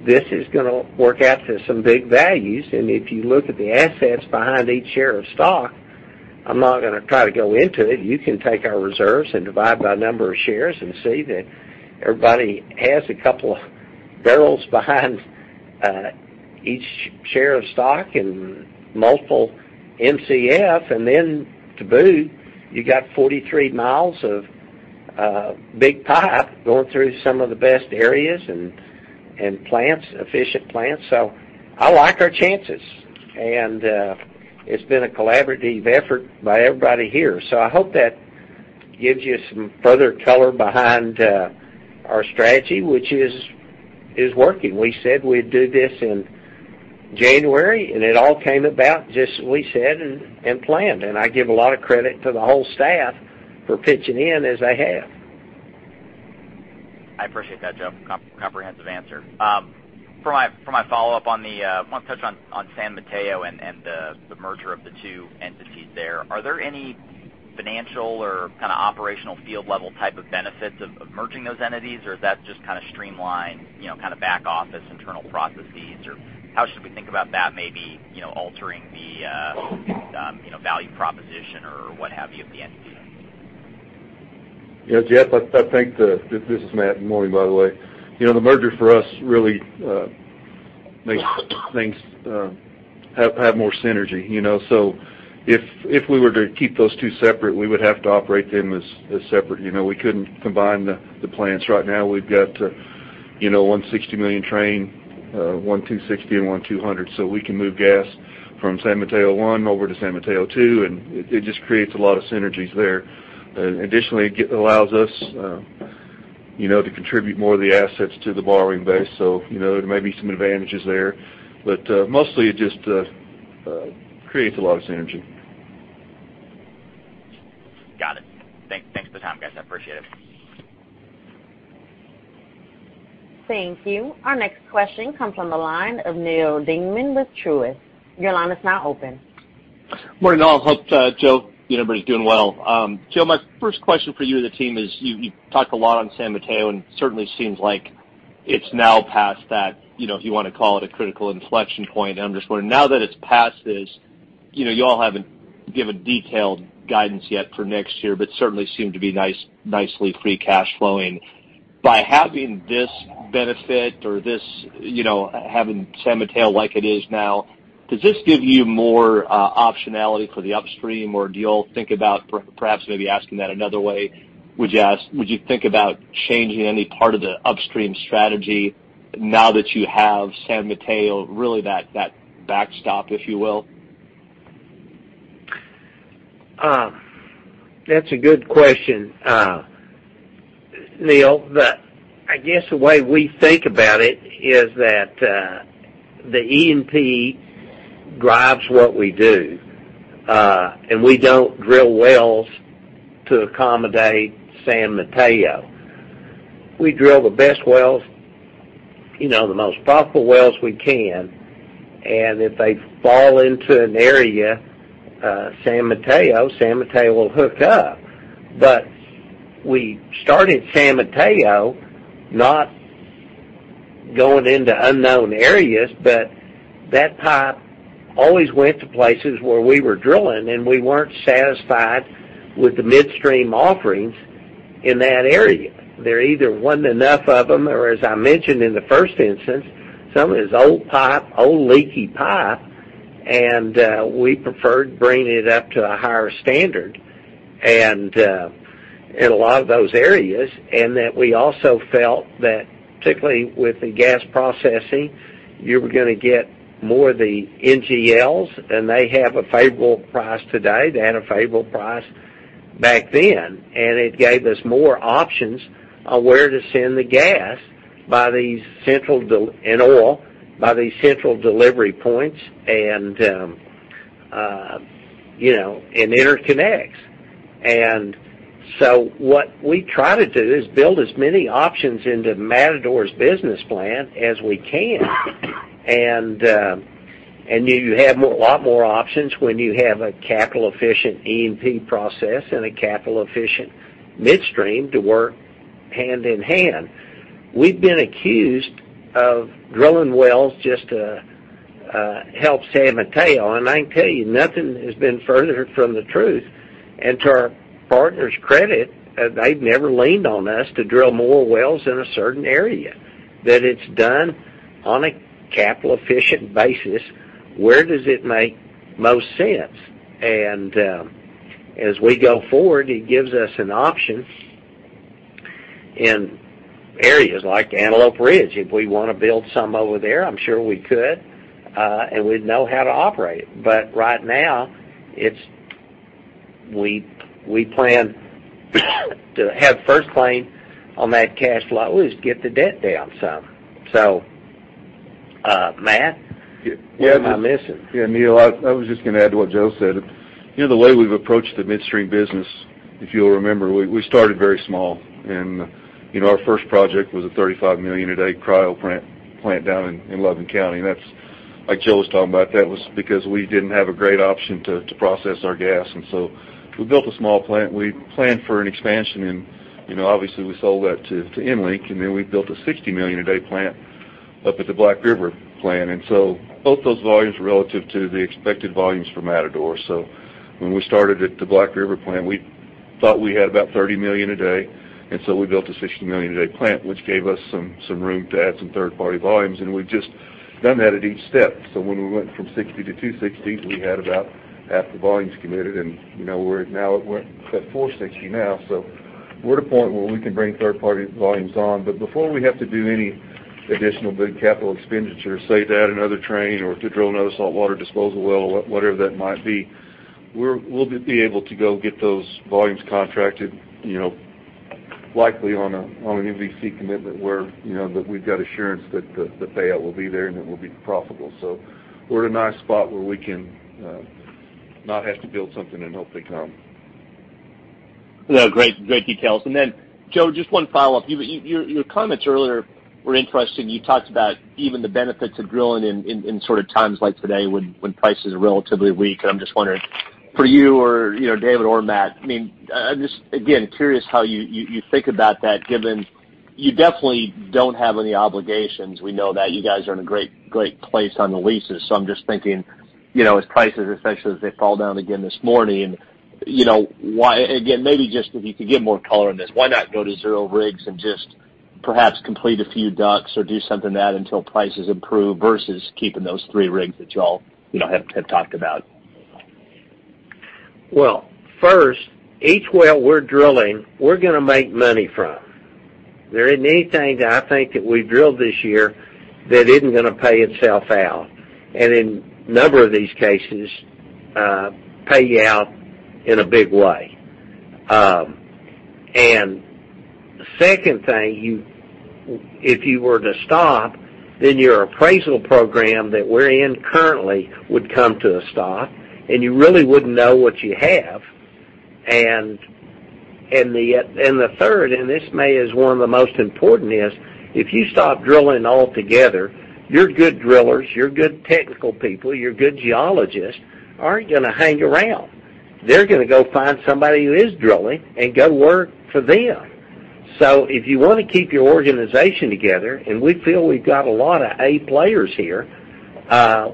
this is going to work out to some big values. If you look at the assets behind each share of stock, I'm not going to try to go into it. You can take our reserves and divide by number of shares and see that everybody has a couple of barrels behind each share of stock and multiple Mcf. Then to boot, you got 43 miles of big pipe going through some of the best areas and efficient plants. I like our chances, and it's been a collaborative effort by everybody here. I hope that gives you some further color behind our strategy, which is working. We said we'd do this in January, and it all came about just as we said and planned. I give a lot of credit to the whole staff for pitching in as they have. I appreciate that, Joe. Comprehensive answer. For my follow-up want to touch on San Mateo and the merger of the two entities there. Are there any financial or operational field level type of benefits of merging those entities, or is that just to streamline back office internal processes, or how should we think about that maybe altering the value proposition or what have you of the entity? Yes, Jeff, I think this is Matt. Morning, by the way. If we were to keep those two separate, we would have to operate them as separate. We couldn't combine the plants. Right now, we've got one $60 million train, one 260, and one 200. We can move gas from San Mateo I over to San Mateo II, and it just creates a lot of synergies there. Additionally, it allows us to contribute more of the assets to the borrowing base, so there may be some advantages there. Mostly it just creates a lot of synergy. Got it. Thanks for the time, guys. I appreciate it. Thank you. Our next question comes from the line of Neal Dingmann with Truist. Your line is now open. Morning all. Hope, Joe, everybody's doing well. Joe, my first question for you and the team is, you talked a lot on San Mateo, certainly seems like it's now past that, if you want to call it a critical inflection point. I'm just wondering now that it's past this, you all haven't given detailed guidance yet for next year, but certainly seem to be nicely free cash flowing. By having this benefit or having San Mateo like it is now, does this give you more optionality for the upstream, or perhaps maybe asking that another way, would you think about changing any part of the upstream strategy now that you have San Mateo, really that backstop, if you will? That's a good question, Neal. I guess the way we think about it is that the E&P drives what we do. We don't drill wells to accommodate San Mateo. We drill the best wells, the most profitable wells we can, and if they fall into an area, San Mateo will hook up. We started San Mateo not going into unknown areas, but that pipe always went to places where we were drilling, and we weren't satisfied with the midstream offerings in that area. There either wasn't enough of them, or as I mentioned in the first instance, some of it is old pipe, old leaky pipe, and we preferred bringing it up to a higher standard in a lot of those areas. That we also felt that particularly with the gas processing, you were going to get more of the NGLs, and they have a favorable price today. They had a favorable price back then. It gave us more options on where to send the gas and oil by these central delivery points and interconnects. What we try to do is build as many options into Matador's business plan as we can. You have a lot more options when you have a capital-efficient E&P process and a capital-efficient midstream to work hand in hand. We've been accused of drilling wells just to help San Mateo, and I can tell you, nothing has been further from the truth. To our partners' credit, they've never leaned on us to drill more wells in a certain area, that it's done on a capital-efficient basis, where does it make most sense? As we go forward, it gives us an option in areas like Antelope Ridge. If we want to build some over there, I'm sure we could, and we'd know how to operate it. Right now, we plan to have first claim on that cash flow is to get the debt down some. Matt, what am I missing? Yeah, Neal, I was just going to add to what Joe said. The way we've approached the midstream business, if you'll remember, we started very small and our first project was a 35 million a day cryo plant down in Loving County. That's, like Joe was talking about, that was because we didn't have a great option to process our gas. We built a small plant. We planned for an expansion and obviously we sold that to EnLink, and then we built a 60 million a day plant up at the Black River plant. Both those volumes were relative to the expected volumes for Matador. When we started at the Black River plant, we thought we had about $30 million a day, and so we built a $60 million a day plant, which gave us some room to add some third-party volumes, and we've just done that at each step. When we went from 60-260, we had about half the volumes committed, and we're at 460 now. We're at a point where we can bring third-party volumes on, but before we have to do any additional big capital expenditure, say to add another train or to drill another saltwater disposal well, whatever that might be, we'll be able to go get those volumes contracted, likely on an MVC commitment where we've got assurance that the payout will be there and it will be profitable. We're in a nice spot where we can not have to build something and hope they come. No, great details. Joe, just one follow-up. Your comments earlier were interesting. You talked about even the benefits of drilling in times like today when prices are relatively weak. I'm just wondering for you or David or Matt, I'm just again, curious how you think about that given you definitely don't have any obligations. We know that you guys are in a great place on the leases. I'm just thinking as prices, especially as they fall down again this morning, again, maybe just if you could give more color on this, why not go to zero rigs and just perhaps complete a few DUCs or do something that until prices improve versus keeping those three rigs that you all have talked about? Well, first, each well we're drilling, we're going to make money from. There isn't anything that I think that we've drilled this year that isn't going to pay itself out, and in number of these cases, pay you out in a big way. Second thing, if you were to stop, then your appraisal program that we're in currently would come to a stop, and you really wouldn't know what you have. The third, and this may is one of the most important is, if you stop drilling altogether, your good drillers, your good technical people, your good geologists, aren't going to hang around. They're going to go find somebody who is drilling and go work for them. If you want to keep your organization together, and we feel we've got a lot of A players here,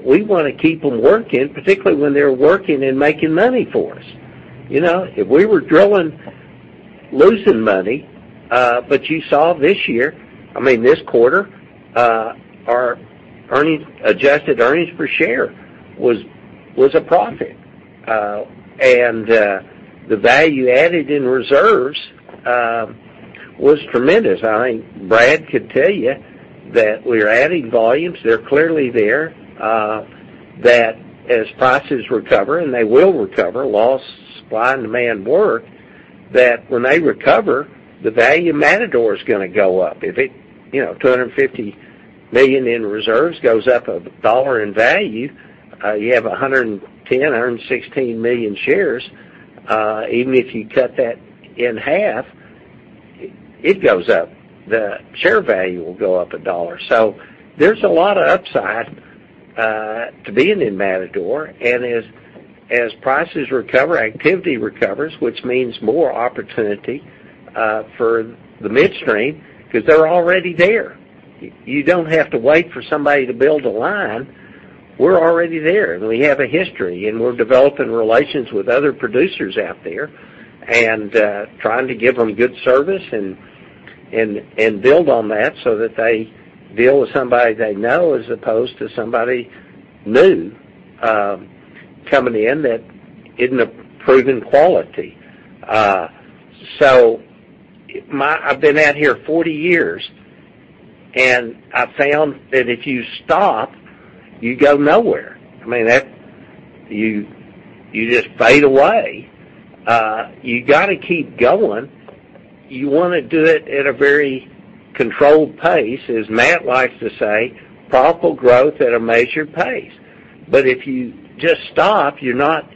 we want to keep them working, particularly when they're working and making money for us. If we were drilling, losing money, but you saw this year, I mean, this quarter, our adjusted earnings per share was a profit. The value added in reserves was tremendous. I think Brad could tell you that we're adding volumes. They're clearly there, that as prices recover, and they will recover, laws of supply and demand work, that when they recover, the value of Matador is going to go up. If $250 million in reserves goes up $1 in value, you have 110, 116 million shares. Even if you cut that in half, it goes up. The share value will go up $1. There's a lot of upside to being in Matador, and as prices recover, activity recovers, which means more opportunity for the midstream because they're already there. You don't have to wait for somebody to build a line. We're already there, and we have a history, and we're developing relations with other producers out there and trying to give them good service and build on that so that they deal with somebody they know as opposed to somebody new coming in that isn't a proven quality. I've been out here 40 years, and I found that if you stop, you go nowhere. I mean, you just fade away. You got to keep going. You want to do it at a very controlled pace. As Matt likes to say, "Profit growth at a measured pace." If you just stop, you're not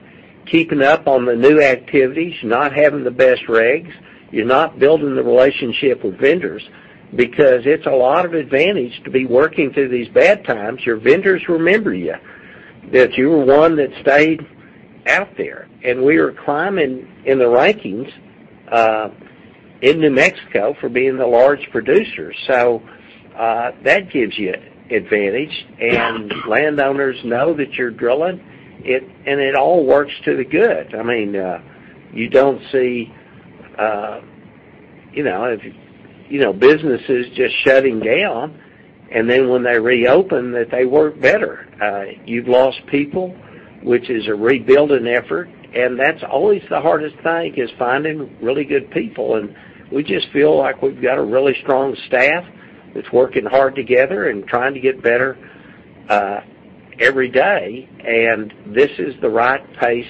keeping up on the new activities, you're not having the best rigs, you're not building the relationship with vendors. It's a lot of advantage to be working through these bad times. Your vendors remember you, that you were one that stayed out there, and we are climbing in the rankings in New Mexico for being the large producer. That gives you advantage, and landowners know that you're drilling it, and it all works to the good. I mean, you don't see businesses just shutting down, and then when they reopen, that they work better. You've lost people, which is a rebuilding effort, and that's always the hardest thing, is finding really good people. We just feel like we've got a really strong staff that's working hard together and trying to get better every day, and this is the right pace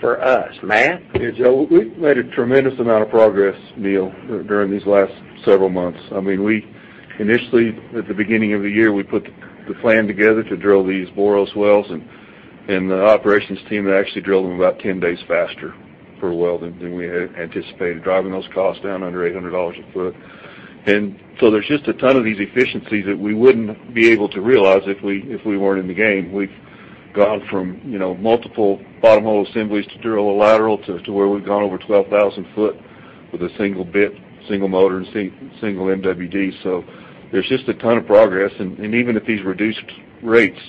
for us. Matt? Yeah, Joe, we've made a tremendous amount of progress, Neal, during these last several months. I mean, we initially, at the beginning of the year, we put the plan together to drill these Boros wells, the operations team actually drilled them about 10 days faster per well than we had anticipated, driving those costs down under $800 a foot. There's just a ton of these efficiencies that we wouldn't be able to realize if we weren't in the game. We've gone from multiple bottom hole assemblies to drill a lateral to where we've gone over 12,000 foot with a single bit, single motor, and single MWD. There's just a ton of progress, and even at these reduced rates,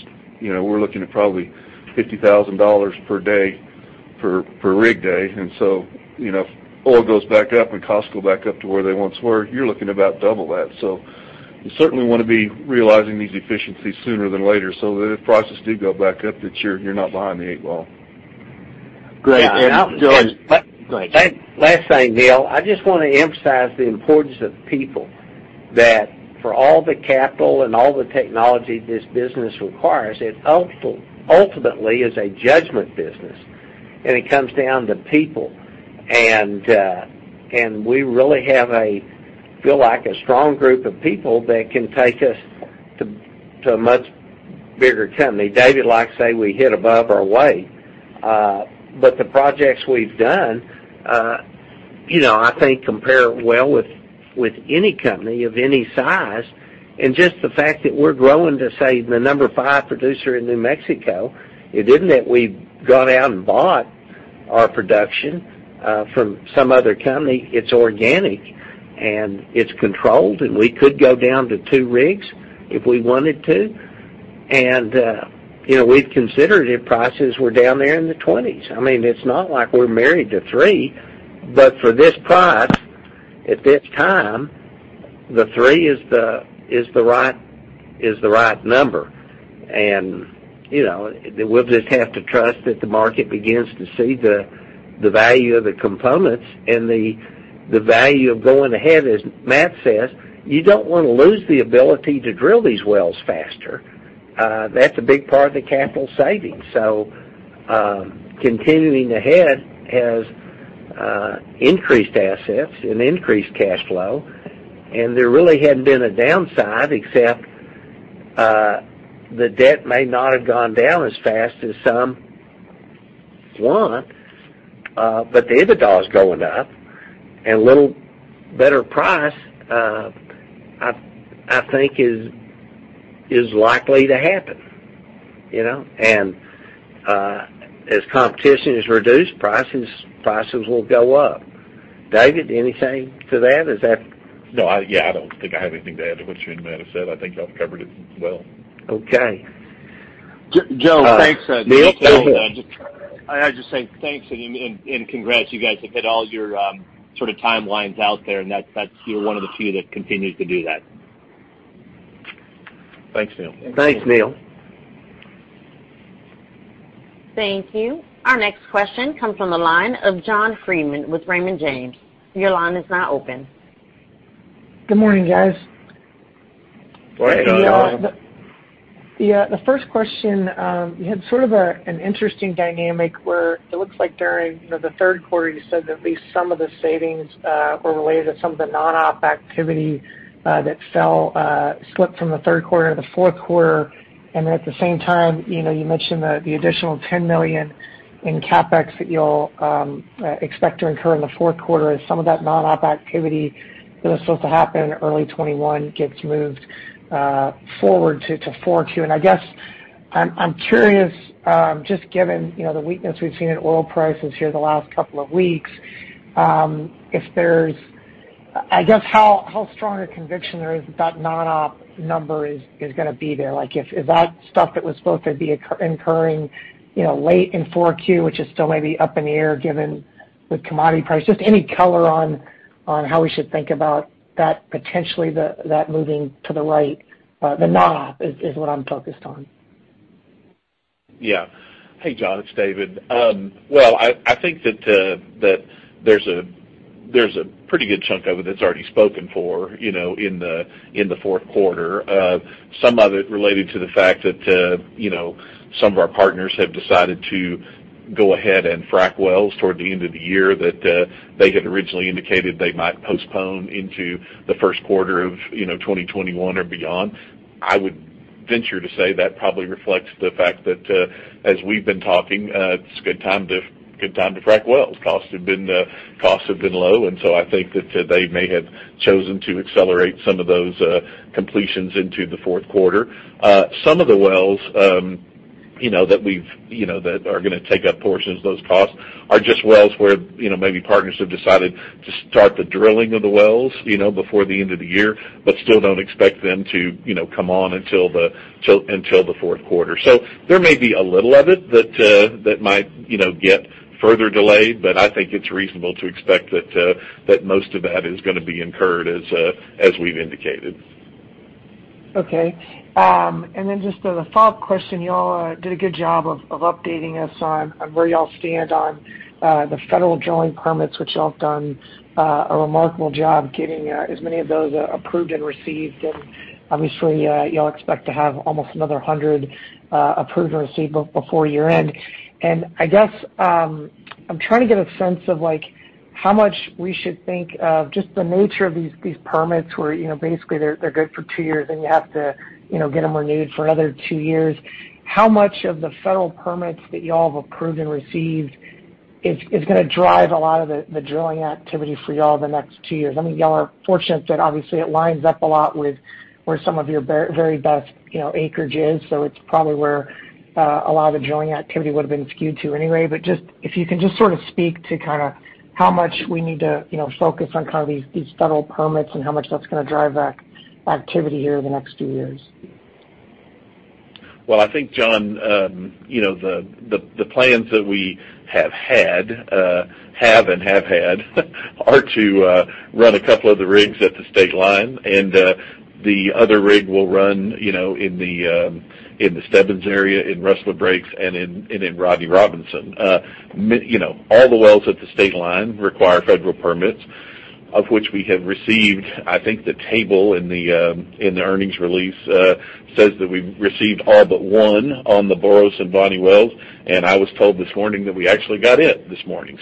we're looking at probably $50,000 per day, per rig day. If oil goes back up and costs go back up to where they once were, you're looking about double that. You certainly want to be realizing these efficiencies sooner than later, so that if prices do go back up, that you're not behind the eight ball. Great. Go ahead. Last thing, Neal, I just want to emphasize the importance of people, that for all the capital and all the technology this business requires, it ultimately is a judgment business, and it comes down to people. We really have a, feel like, a strong group of people that can take us to a much bigger company. David likes to say we hit above our weight. The projects we've done, I think compare well with any company of any size. Just the fact that we're growing to, say, the number five producer in New Mexico, it isn't that we've gone out and bought our production from some other company. It's organic, and it's controlled, and we could go down to two rigs if we wanted to. We'd consider it if prices were down there in the 20s. I mean, it's not like we're married to three, but for this price at this time. The three is the right number, and we'll just have to trust that the market begins to see the value of the components and the value of going ahead. As Matt says, you don't want to lose the ability to drill these wells faster. That's a big part of the capital savings. Continuing ahead has increased assets and increased cash flow, and there really hadn't been a downside except the debt may not have gone down as fast as some want. The EBITDA is going up, and a little better price, I think is likely to happen. As competition is reduced, prices will go up. David, anything to that? Is that? No, Yeah, I don't think I have anything to add to what you and Matt have said. I think y'all covered it well. Okay. Joe, thanks. Neal, go ahead. I'll just say thanks and congrats. You guys have hit all your timelines out there, and you're one of the few that continues to do that. Thanks, Neal. Thanks, Neal. Thank you. Our next question comes from the line of John Freeman with Raymond James. Your line is now open. Good morning, guys. Morning, John. Yeah. The first question, you had sort of an interesting dynamic where it looks like during the third quarter, you said at least some of the savings were related to some of the non-op activity that slipped from the third quarter to the fourth quarter. Then at the same time, you mentioned the additional $10 million in CapEx that you'll expect to incur in the fourth quarter as some of that non-op activity that was supposed to happen in early 2021 gets moved forward to 4Q. I guess I'm curious, just given the weakness we've seen in oil prices here the last couple of weeks, I guess how strong a conviction there is that non-op number is going to be there. Like if that stuff that was supposed to be incurring late in 4Q, which is still maybe up in the air given the commodity price. Just any color on how we should think about that potentially that moving to the right. The non-op is what I'm focused on. Hey, John, it's David. Well, I think that there's a pretty good chunk of it that's already spoken for in the fourth quarter. Some of it related to the fact that some of our partners have decided to go ahead and frack wells toward the end of the year that they had originally indicated they might postpone into the first quarter of 2021 or beyond. I would venture to say that probably reflects the fact that, as we've been talking, it's a good time to frack wells. Costs have been low, and so I think that they may have chosen to accelerate some of those completions into the fourth quarter. Some of the wells that are going to take up portions of those costs are just wells where maybe partners have decided to start the drilling of the wells before the end of the year, but still don't expect them to come on until the fourth quarter. There may be a little of it that might get further delayed, but I think it's reasonable to expect that most of that is going to be incurred as we've indicated. Okay. Just a follow-up question. You all did a good job of updating us on where you all stand on the federal drilling permits, which you all have done a remarkable job getting as many of those approved and received. Obviously, you all expect to have almost another 100 approved or received before year-end. I guess, I'm trying to get a sense of how much we should think of just the nature of these permits, where basically they're good for two years, and you have to get them renewed for another two years. How much of the federal permits that you all have approved and received is going to drive a lot of the drilling activity for you all the next two years? I mean, you all are fortunate that obviously it lines up a lot with where some of your very best acreage is. It's probably where a lot of the drilling activity would've been skewed to anyway. If you can just sort of speak to how much we need to focus on these federal permits and how much that's going to drive that activity here over the next few years. Well, I think, John, the plans that we have had are to run a couple of the rigs at the Stateline, the other rig will run in the Stebbins area, in Rustler Breaks and in Rodney Robinson. All the wells at the Stateline require federal permits, of which we have received, I think the table in the earnings release says that we've received all but one on the Boros and Voni wells, I was told this morning that we actually got it this morning.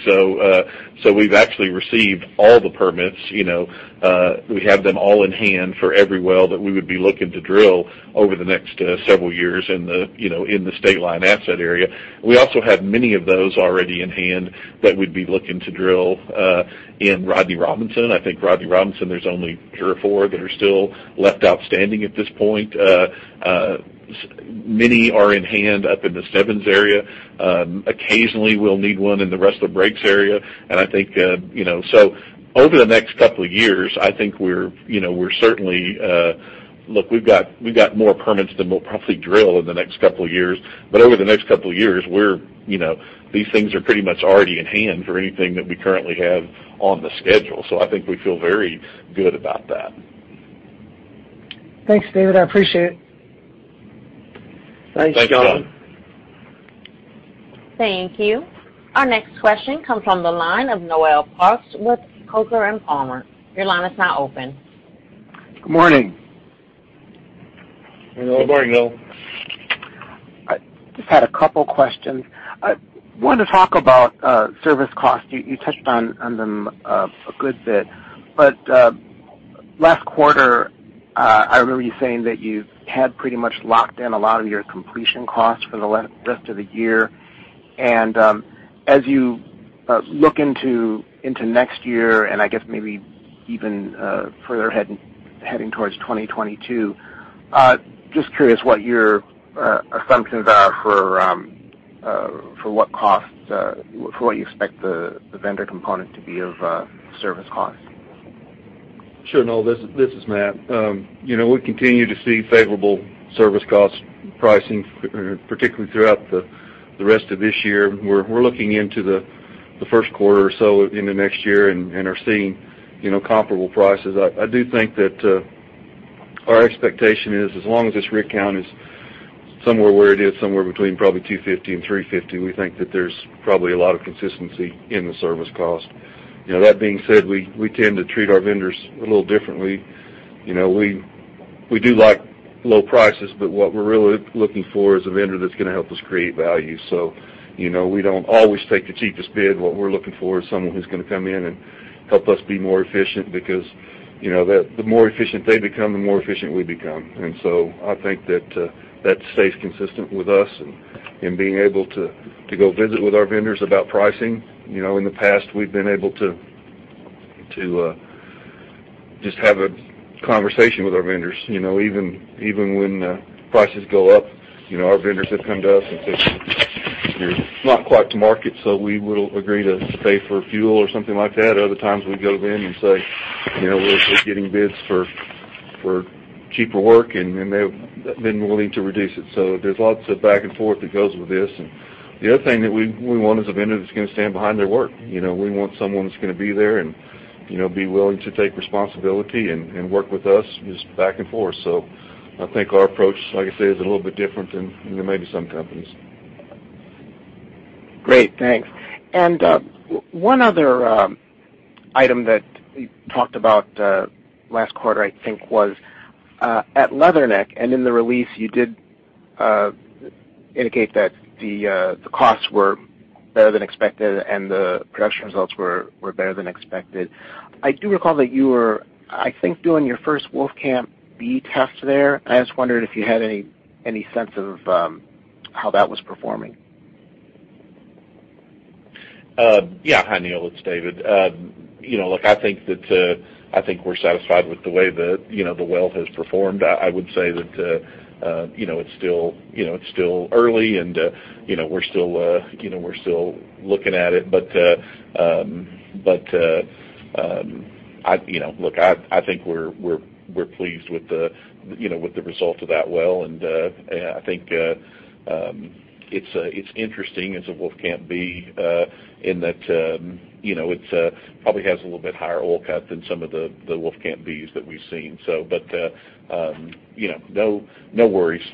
We've actually received all the permits. We have them all in hand for every well that we would be looking to drill over the next several years in the Stateline asset area. We also have many of those already in hand that we'd be looking to drill in Rodney Robinson. I think Rodney Robinson, there's only three or four that are still left outstanding at this point. Many are in hand up in the Stebbins area. Occasionally, we'll need one in the Rustler Breaks area. I think so over the next couple of years, I think we're certainly. Look, we've got more permits than we'll probably drill in the next couple of years, but over the next couple of years, these things are pretty much already in hand for anything that we currently have on the schedule. I think we feel very good about that. Thanks, David, I appreciate it. Thanks, John. Thanks, John. Thank you. Our next question comes from the line of Noel Parks with Coker & Palmer. Your line is now open. Good morning. Good morning, Noel. I just had a couple questions. I wanted to talk about service costs. You touched on them a good bit, but last quarter, I remember you saying that you had pretty much locked in a lot of your completion costs for the rest of the year. As you look into next year, and I guess maybe even further heading towards 2022, just curious what your assumptions are for what you expect the vendor component to be of service costs. Sure, Noel. This is Matt. We continue to see favorable service cost pricing, particularly throughout the rest of this year. We're looking into the first quarter or so into next year and are seeing comparable prices. I do think that our expectation is as long as this rig count is somewhere where it is, somewhere between probably 250 and 350, we think that there's probably a lot of consistency in the service cost. That being said, we tend to treat our vendors a little differently. We do like low prices, but what we're really looking for is a vendor that's going to help us create value. We don't always take the cheapest bid. What we're looking for is someone who's going to come in and help us be more efficient because the more efficient they become, the more efficient we become. I think that stays consistent with us and being able to go visit with our vendors about pricing. In the past, we've been able to just have a conversation with our vendors. Even when prices go up, our vendors have come to us and said, "You're not quite to market," so we will agree to pay for fuel or something like that. Other times, we go to them and say, "We're getting bids for cheaper work," and they've been willing to reduce it. There's lots of back and forth that goes with this. The other thing that we want is a vendor that's going to stand behind their work. We want someone that's going to be there and be willing to take responsibility and work with us just back and forth. I think our approach, like I say, is a little bit different than maybe some companies. Great, thanks. One other item that you talked about last quarter, I think was at Leatherneck, and in the release you did indicate that the costs were better than expected and the production results were better than expected. I do recall that you were, I think, doing your first Wolfcamp B test there, and I just wondered if you had any sense of how that was performing. Yeah. Hi, Noel, it's David. Look, I think we're satisfied with the way the well has performed. I would say that it's still early and we're still looking at it. Look, I think we're pleased with the result of that well, and I think it's interesting as a Wolfcamp B in that it probably has a little bit higher oil cut than some of the Wolfcamp Bs that we've seen. No worries.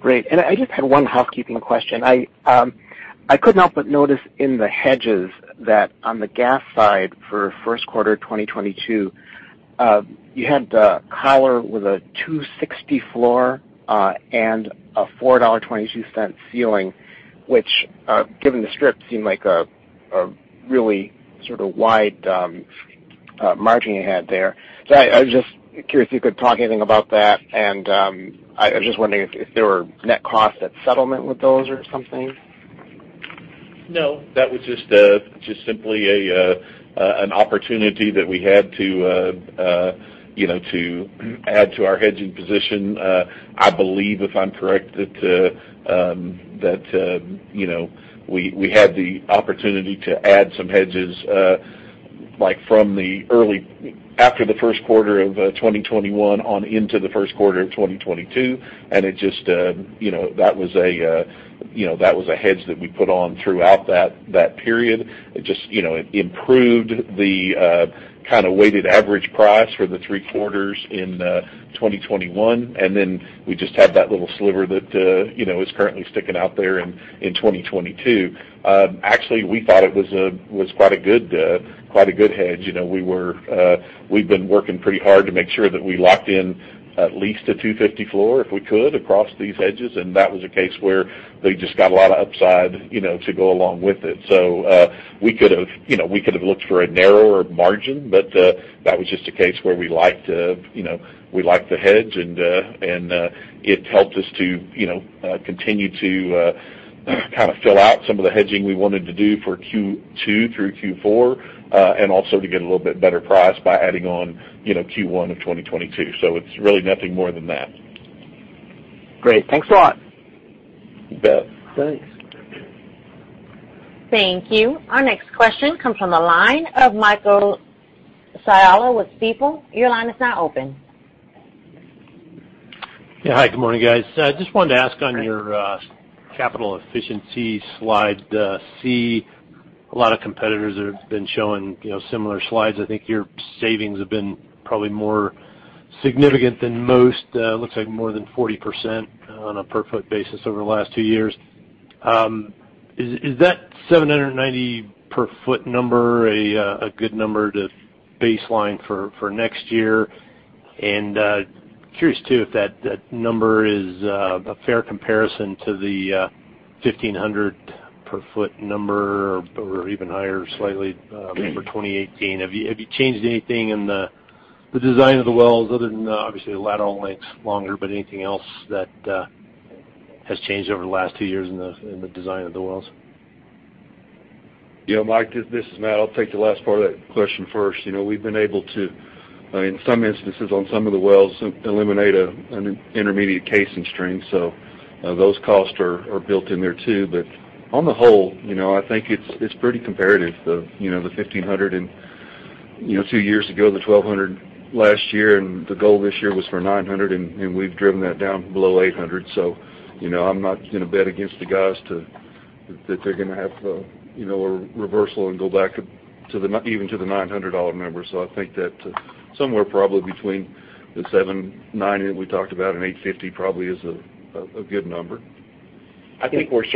Great. I just had one housekeeping question. I could not but notice in the hedges that on the gas side for first quarter 2022, you had a collar with a $2.60 floor and a $4.22 ceiling, which, given the strip, seemed like a really sort of wide margin you had there. I was just curious if you could talk anything about that. I was just wondering if there were net costs at settlement with those or something? No, that was just simply an opportunity that we had to add to our hedging position. I believe, if I'm correct, that we had the opportunity to add some hedges, like from after the first quarter of 2021 on into the first quarter of 2022. That was a hedge that we put on throughout that period. It improved the kind of weighted average price for the three quarters in 2021. We just had that little sliver that is currently sticking out there in 2022. Actually, we thought it was quite a good hedge. We've been working pretty hard to make sure that we locked in at least a 250 floor, if we could, across these hedges, and that was a case where they just got a lot of upside to go along with it. We could've looked for a narrower margin, but that was just a case where we liked the hedge, and it helped us to continue to fill out some of the hedging we wanted to do for Q2 through Q4, and also to get a little bit better price by adding on Q1 of 2022. It's really nothing more than that. Great. Thanks a lot. You bet. Thanks. Thank you. Our next question comes from the line of Michael Scialla with Stifel. Your line is now open. Yeah. Hi, good morning, guys. I just wanted to ask on your capital efficiency slide. See a lot of competitors have been showing similar slides. I think your savings have been probably more significant than most. It looks like more than 40% on a per foot basis over the last two years. Is that $790 per foot number a good number to baseline for next year? Curious too, if that number is a fair comparison to the $1,500 per foot number or even higher slightly for 2018. Have you changed anything in the design of the wells other than obviously the lateral length's longer, but anything else that has changed over the last two years in the design of the wells? Yeah, Mike, this is Matt. I'll take the last part of that question first. We've been able to, in some instances, on some of the wells, eliminate an intermediate casing string. Those costs are built in there too. On the whole, I think it's pretty comparative, the $1,500 two years ago, the $1,200 last year, and the goal this year was for $900, and we've driven that down below $800. I'm not going to bet against the guys that they're going to have a reversal and go back even to the $900 number. I think that somewhere probably between the $790 we talked about and $850 probably is a good number. I think we're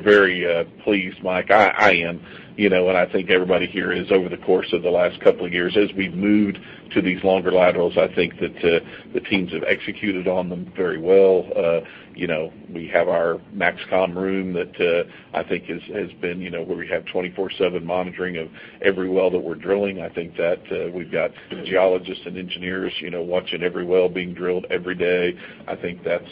very pleased, Mike. I am, and I think everybody here is, over the course of the last couple of years. We've moved to these longer laterals, I think that the teams have executed on them very well. We have our MAXCOM room where we have 24/7 monitoring of every well that we're drilling. I think that we've got geologists and engineers watching every well being drilled every day. I think that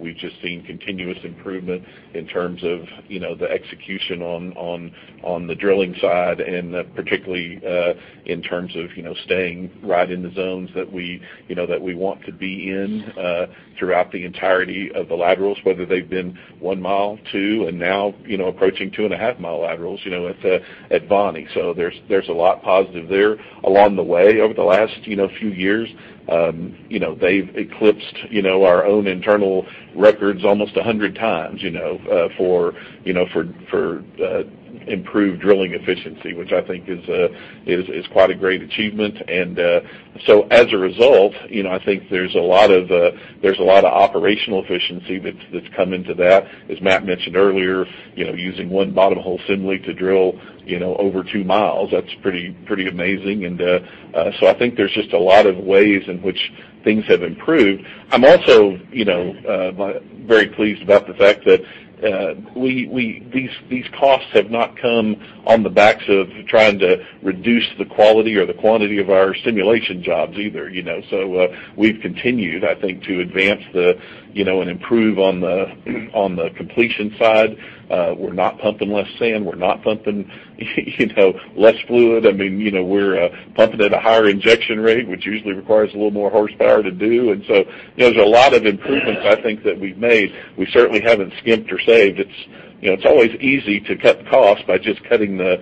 we've just seen continuous improvement in terms of the execution on the drilling side, and particularly, in terms of staying right in the zones that we want to be in throughout the entirety of the laterals, whether they've been one mile, two, and now approaching two and a half mile laterals at Voni. There's a lot positive there. Along the way, over the last few years, they've eclipsed our own internal records almost 100x for improved drilling efficiency, which I think is quite a great achievement. As a result, I think there's a lot of operational efficiency that's come into that. As Matt mentioned earlier, using one bottom hole assembly to drill over two miles, that's pretty amazing. I think there's just a lot of ways in which things have improved. I'm also very pleased about the fact that these costs have not come on the backs of trying to reduce the quality or the quantity of our stimulation jobs either. We've continued, I think, to advance and improve on the completion side. We're not pumping less sand, we're not pumping less fluid. We're pumping at a higher injection rate, which usually requires a little more horsepower to do. There's a lot of improvements I think that we've made. We certainly haven't skimped or saved. It's always easy to cut the cost by just cutting the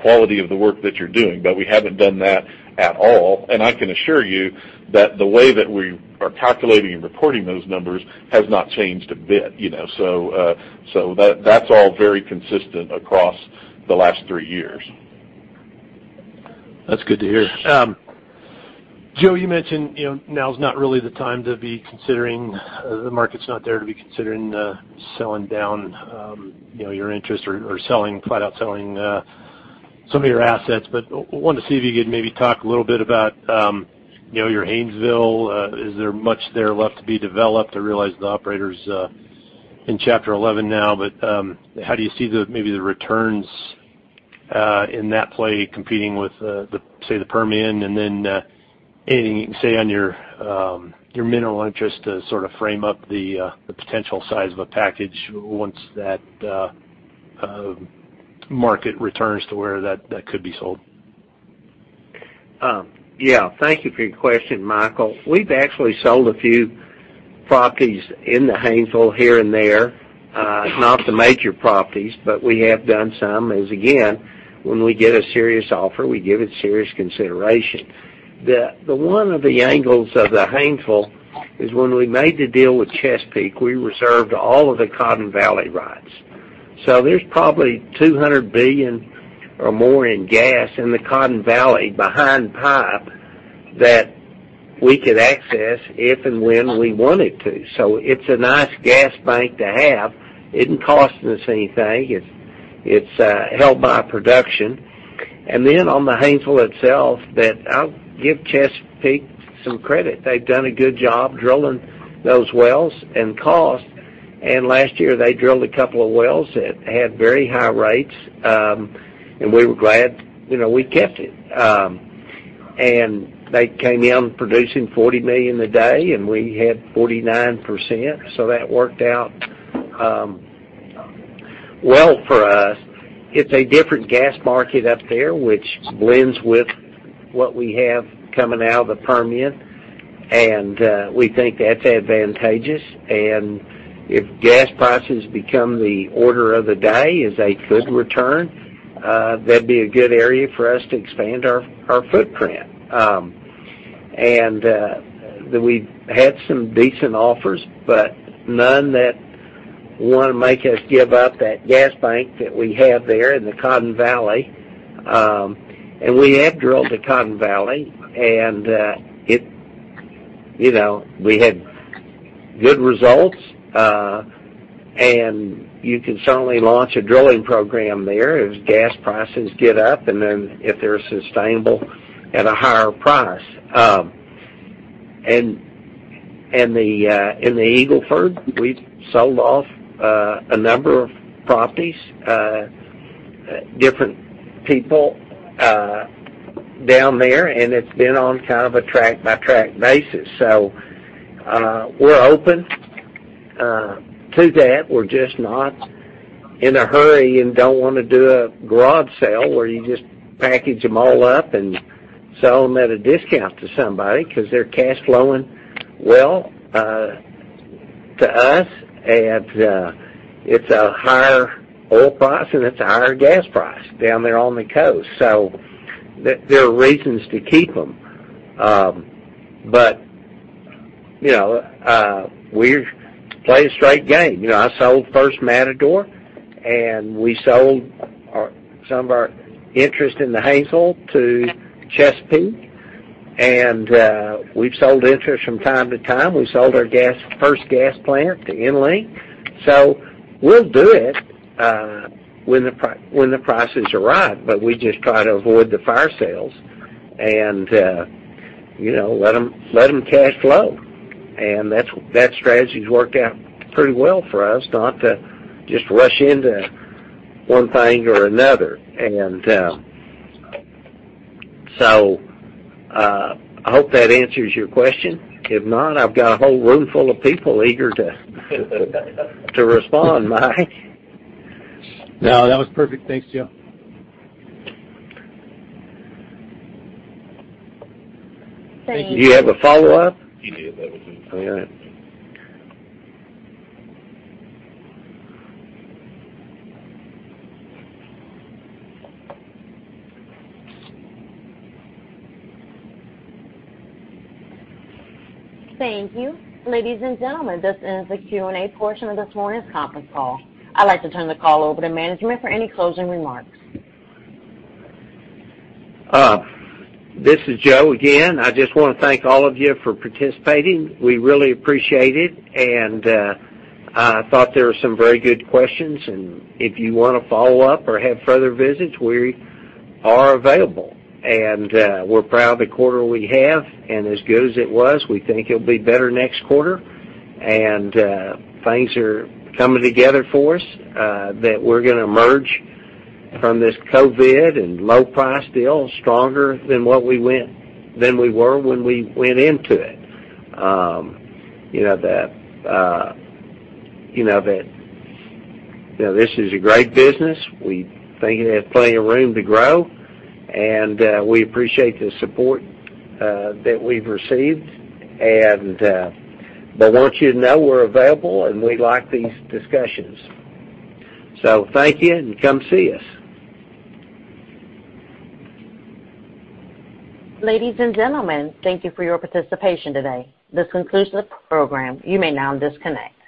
quality of the work that you're doing. We haven't done that at all. I can assure you that the way that we are calculating and reporting those numbers has not changed a bit. That's all very consistent across the last three years. That's good to hear. Joe, you mentioned the market's not there to be considering selling down your interest or flat out selling some of your assets, wanted to see if you could maybe talk a little bit about your Haynesville. Is there much there left to be developed? I realize the operator's in Chapter 11 now, how do you see maybe the returns in that play competing with, say, the Permian? anything you can say on your mineral interest to sort of frame up the potential size of a package once that market returns to where that could be sold? Yeah. Thank you for your question, Michael. We've actually sold a few properties in the Haynesville here and there. Not the major properties, but we have done some, as again, when we get a serious offer, we give it serious consideration. The one of the angles of the Haynesville is when we made the deal with Chesapeake, we reserved all of the Cotton Valley rights. There's probably 200 billion or more in gas in the Cotton Valley behind pipe that we could access if and when we wanted to. It's a nice gas bank to have. It doesn't cost us anything. It's held by production. On the Haynesville itself, that I'll give Chesapeake some credit. They've done a good job drilling those wells and cost. Last year, they drilled a couple of wells that had very high rates. We were glad we kept it. They came in producing 40 million a day, and we had 49%, so that worked out well for us. It's a different gas market up there, which blends with what we have coming out of the Permian. We think that's advantageous. If gas prices become the order of the day as a good return, that'd be a good area for us to expand our footprint. We've had some decent offers, but none that want to make us give up that gas bank that we have there in the Cotton Valley. We have drilled the Cotton Valley, and we had good results. You can certainly launch a drilling program there as gas prices get up, and then if they're sustainable at a higher price. In the Eagle Ford, we've sold off a number of properties, different people down there, and it's been on kind of a tract-by-tract basis. We're open to that. We're just not in a hurry and don't want to do a garage sale where you just package them all up and sell them at a discount to somebody because they're cash flowing well to us at, it's a higher oil price, and it's a higher gas price down there on the coast, so there are reasons to keep them. We play a straight game. I sold First Matador, and we sold some of our interest in the Haynesville to Chesapeake, and we've sold interest from time to time. We sold our first gas plant to EnLink. We'll do it when the prices are right, but we just try to avoid the fire sales and let them cash flow. That strategy's worked out pretty well for us, not to just rush into one thing or another. I hope that answers your question. If not, I've got a whole room full of people eager to respond, Mike. No, that was perfect. Thanks, Joe. Do you have a follow-up? He did. That was him. All right. Thank you. Ladies and gentlemen, this ends the Q&A portion of this morning's conference call. I'd like to turn the call over to management for any closing remarks. This is Joe again. I just want to thank all of you for participating. We really appreciate it. I thought there were some very good questions, and if you want to follow up or have further visits, we are available. We're proud of the quarter we have, and as good as it was, we think it'll be better next quarter. Things are coming together for us, that we're going to emerge from this COVID and low price deal stronger than we were when we went into it. This is a great business. We think it has plenty of room to grow, and we appreciate the support that we've received. I want you to know we're available, and we like these discussions. Thank you, and come see us. Ladies and gentlemen, thank you for your participation today. This concludes the program. You may now disconnect.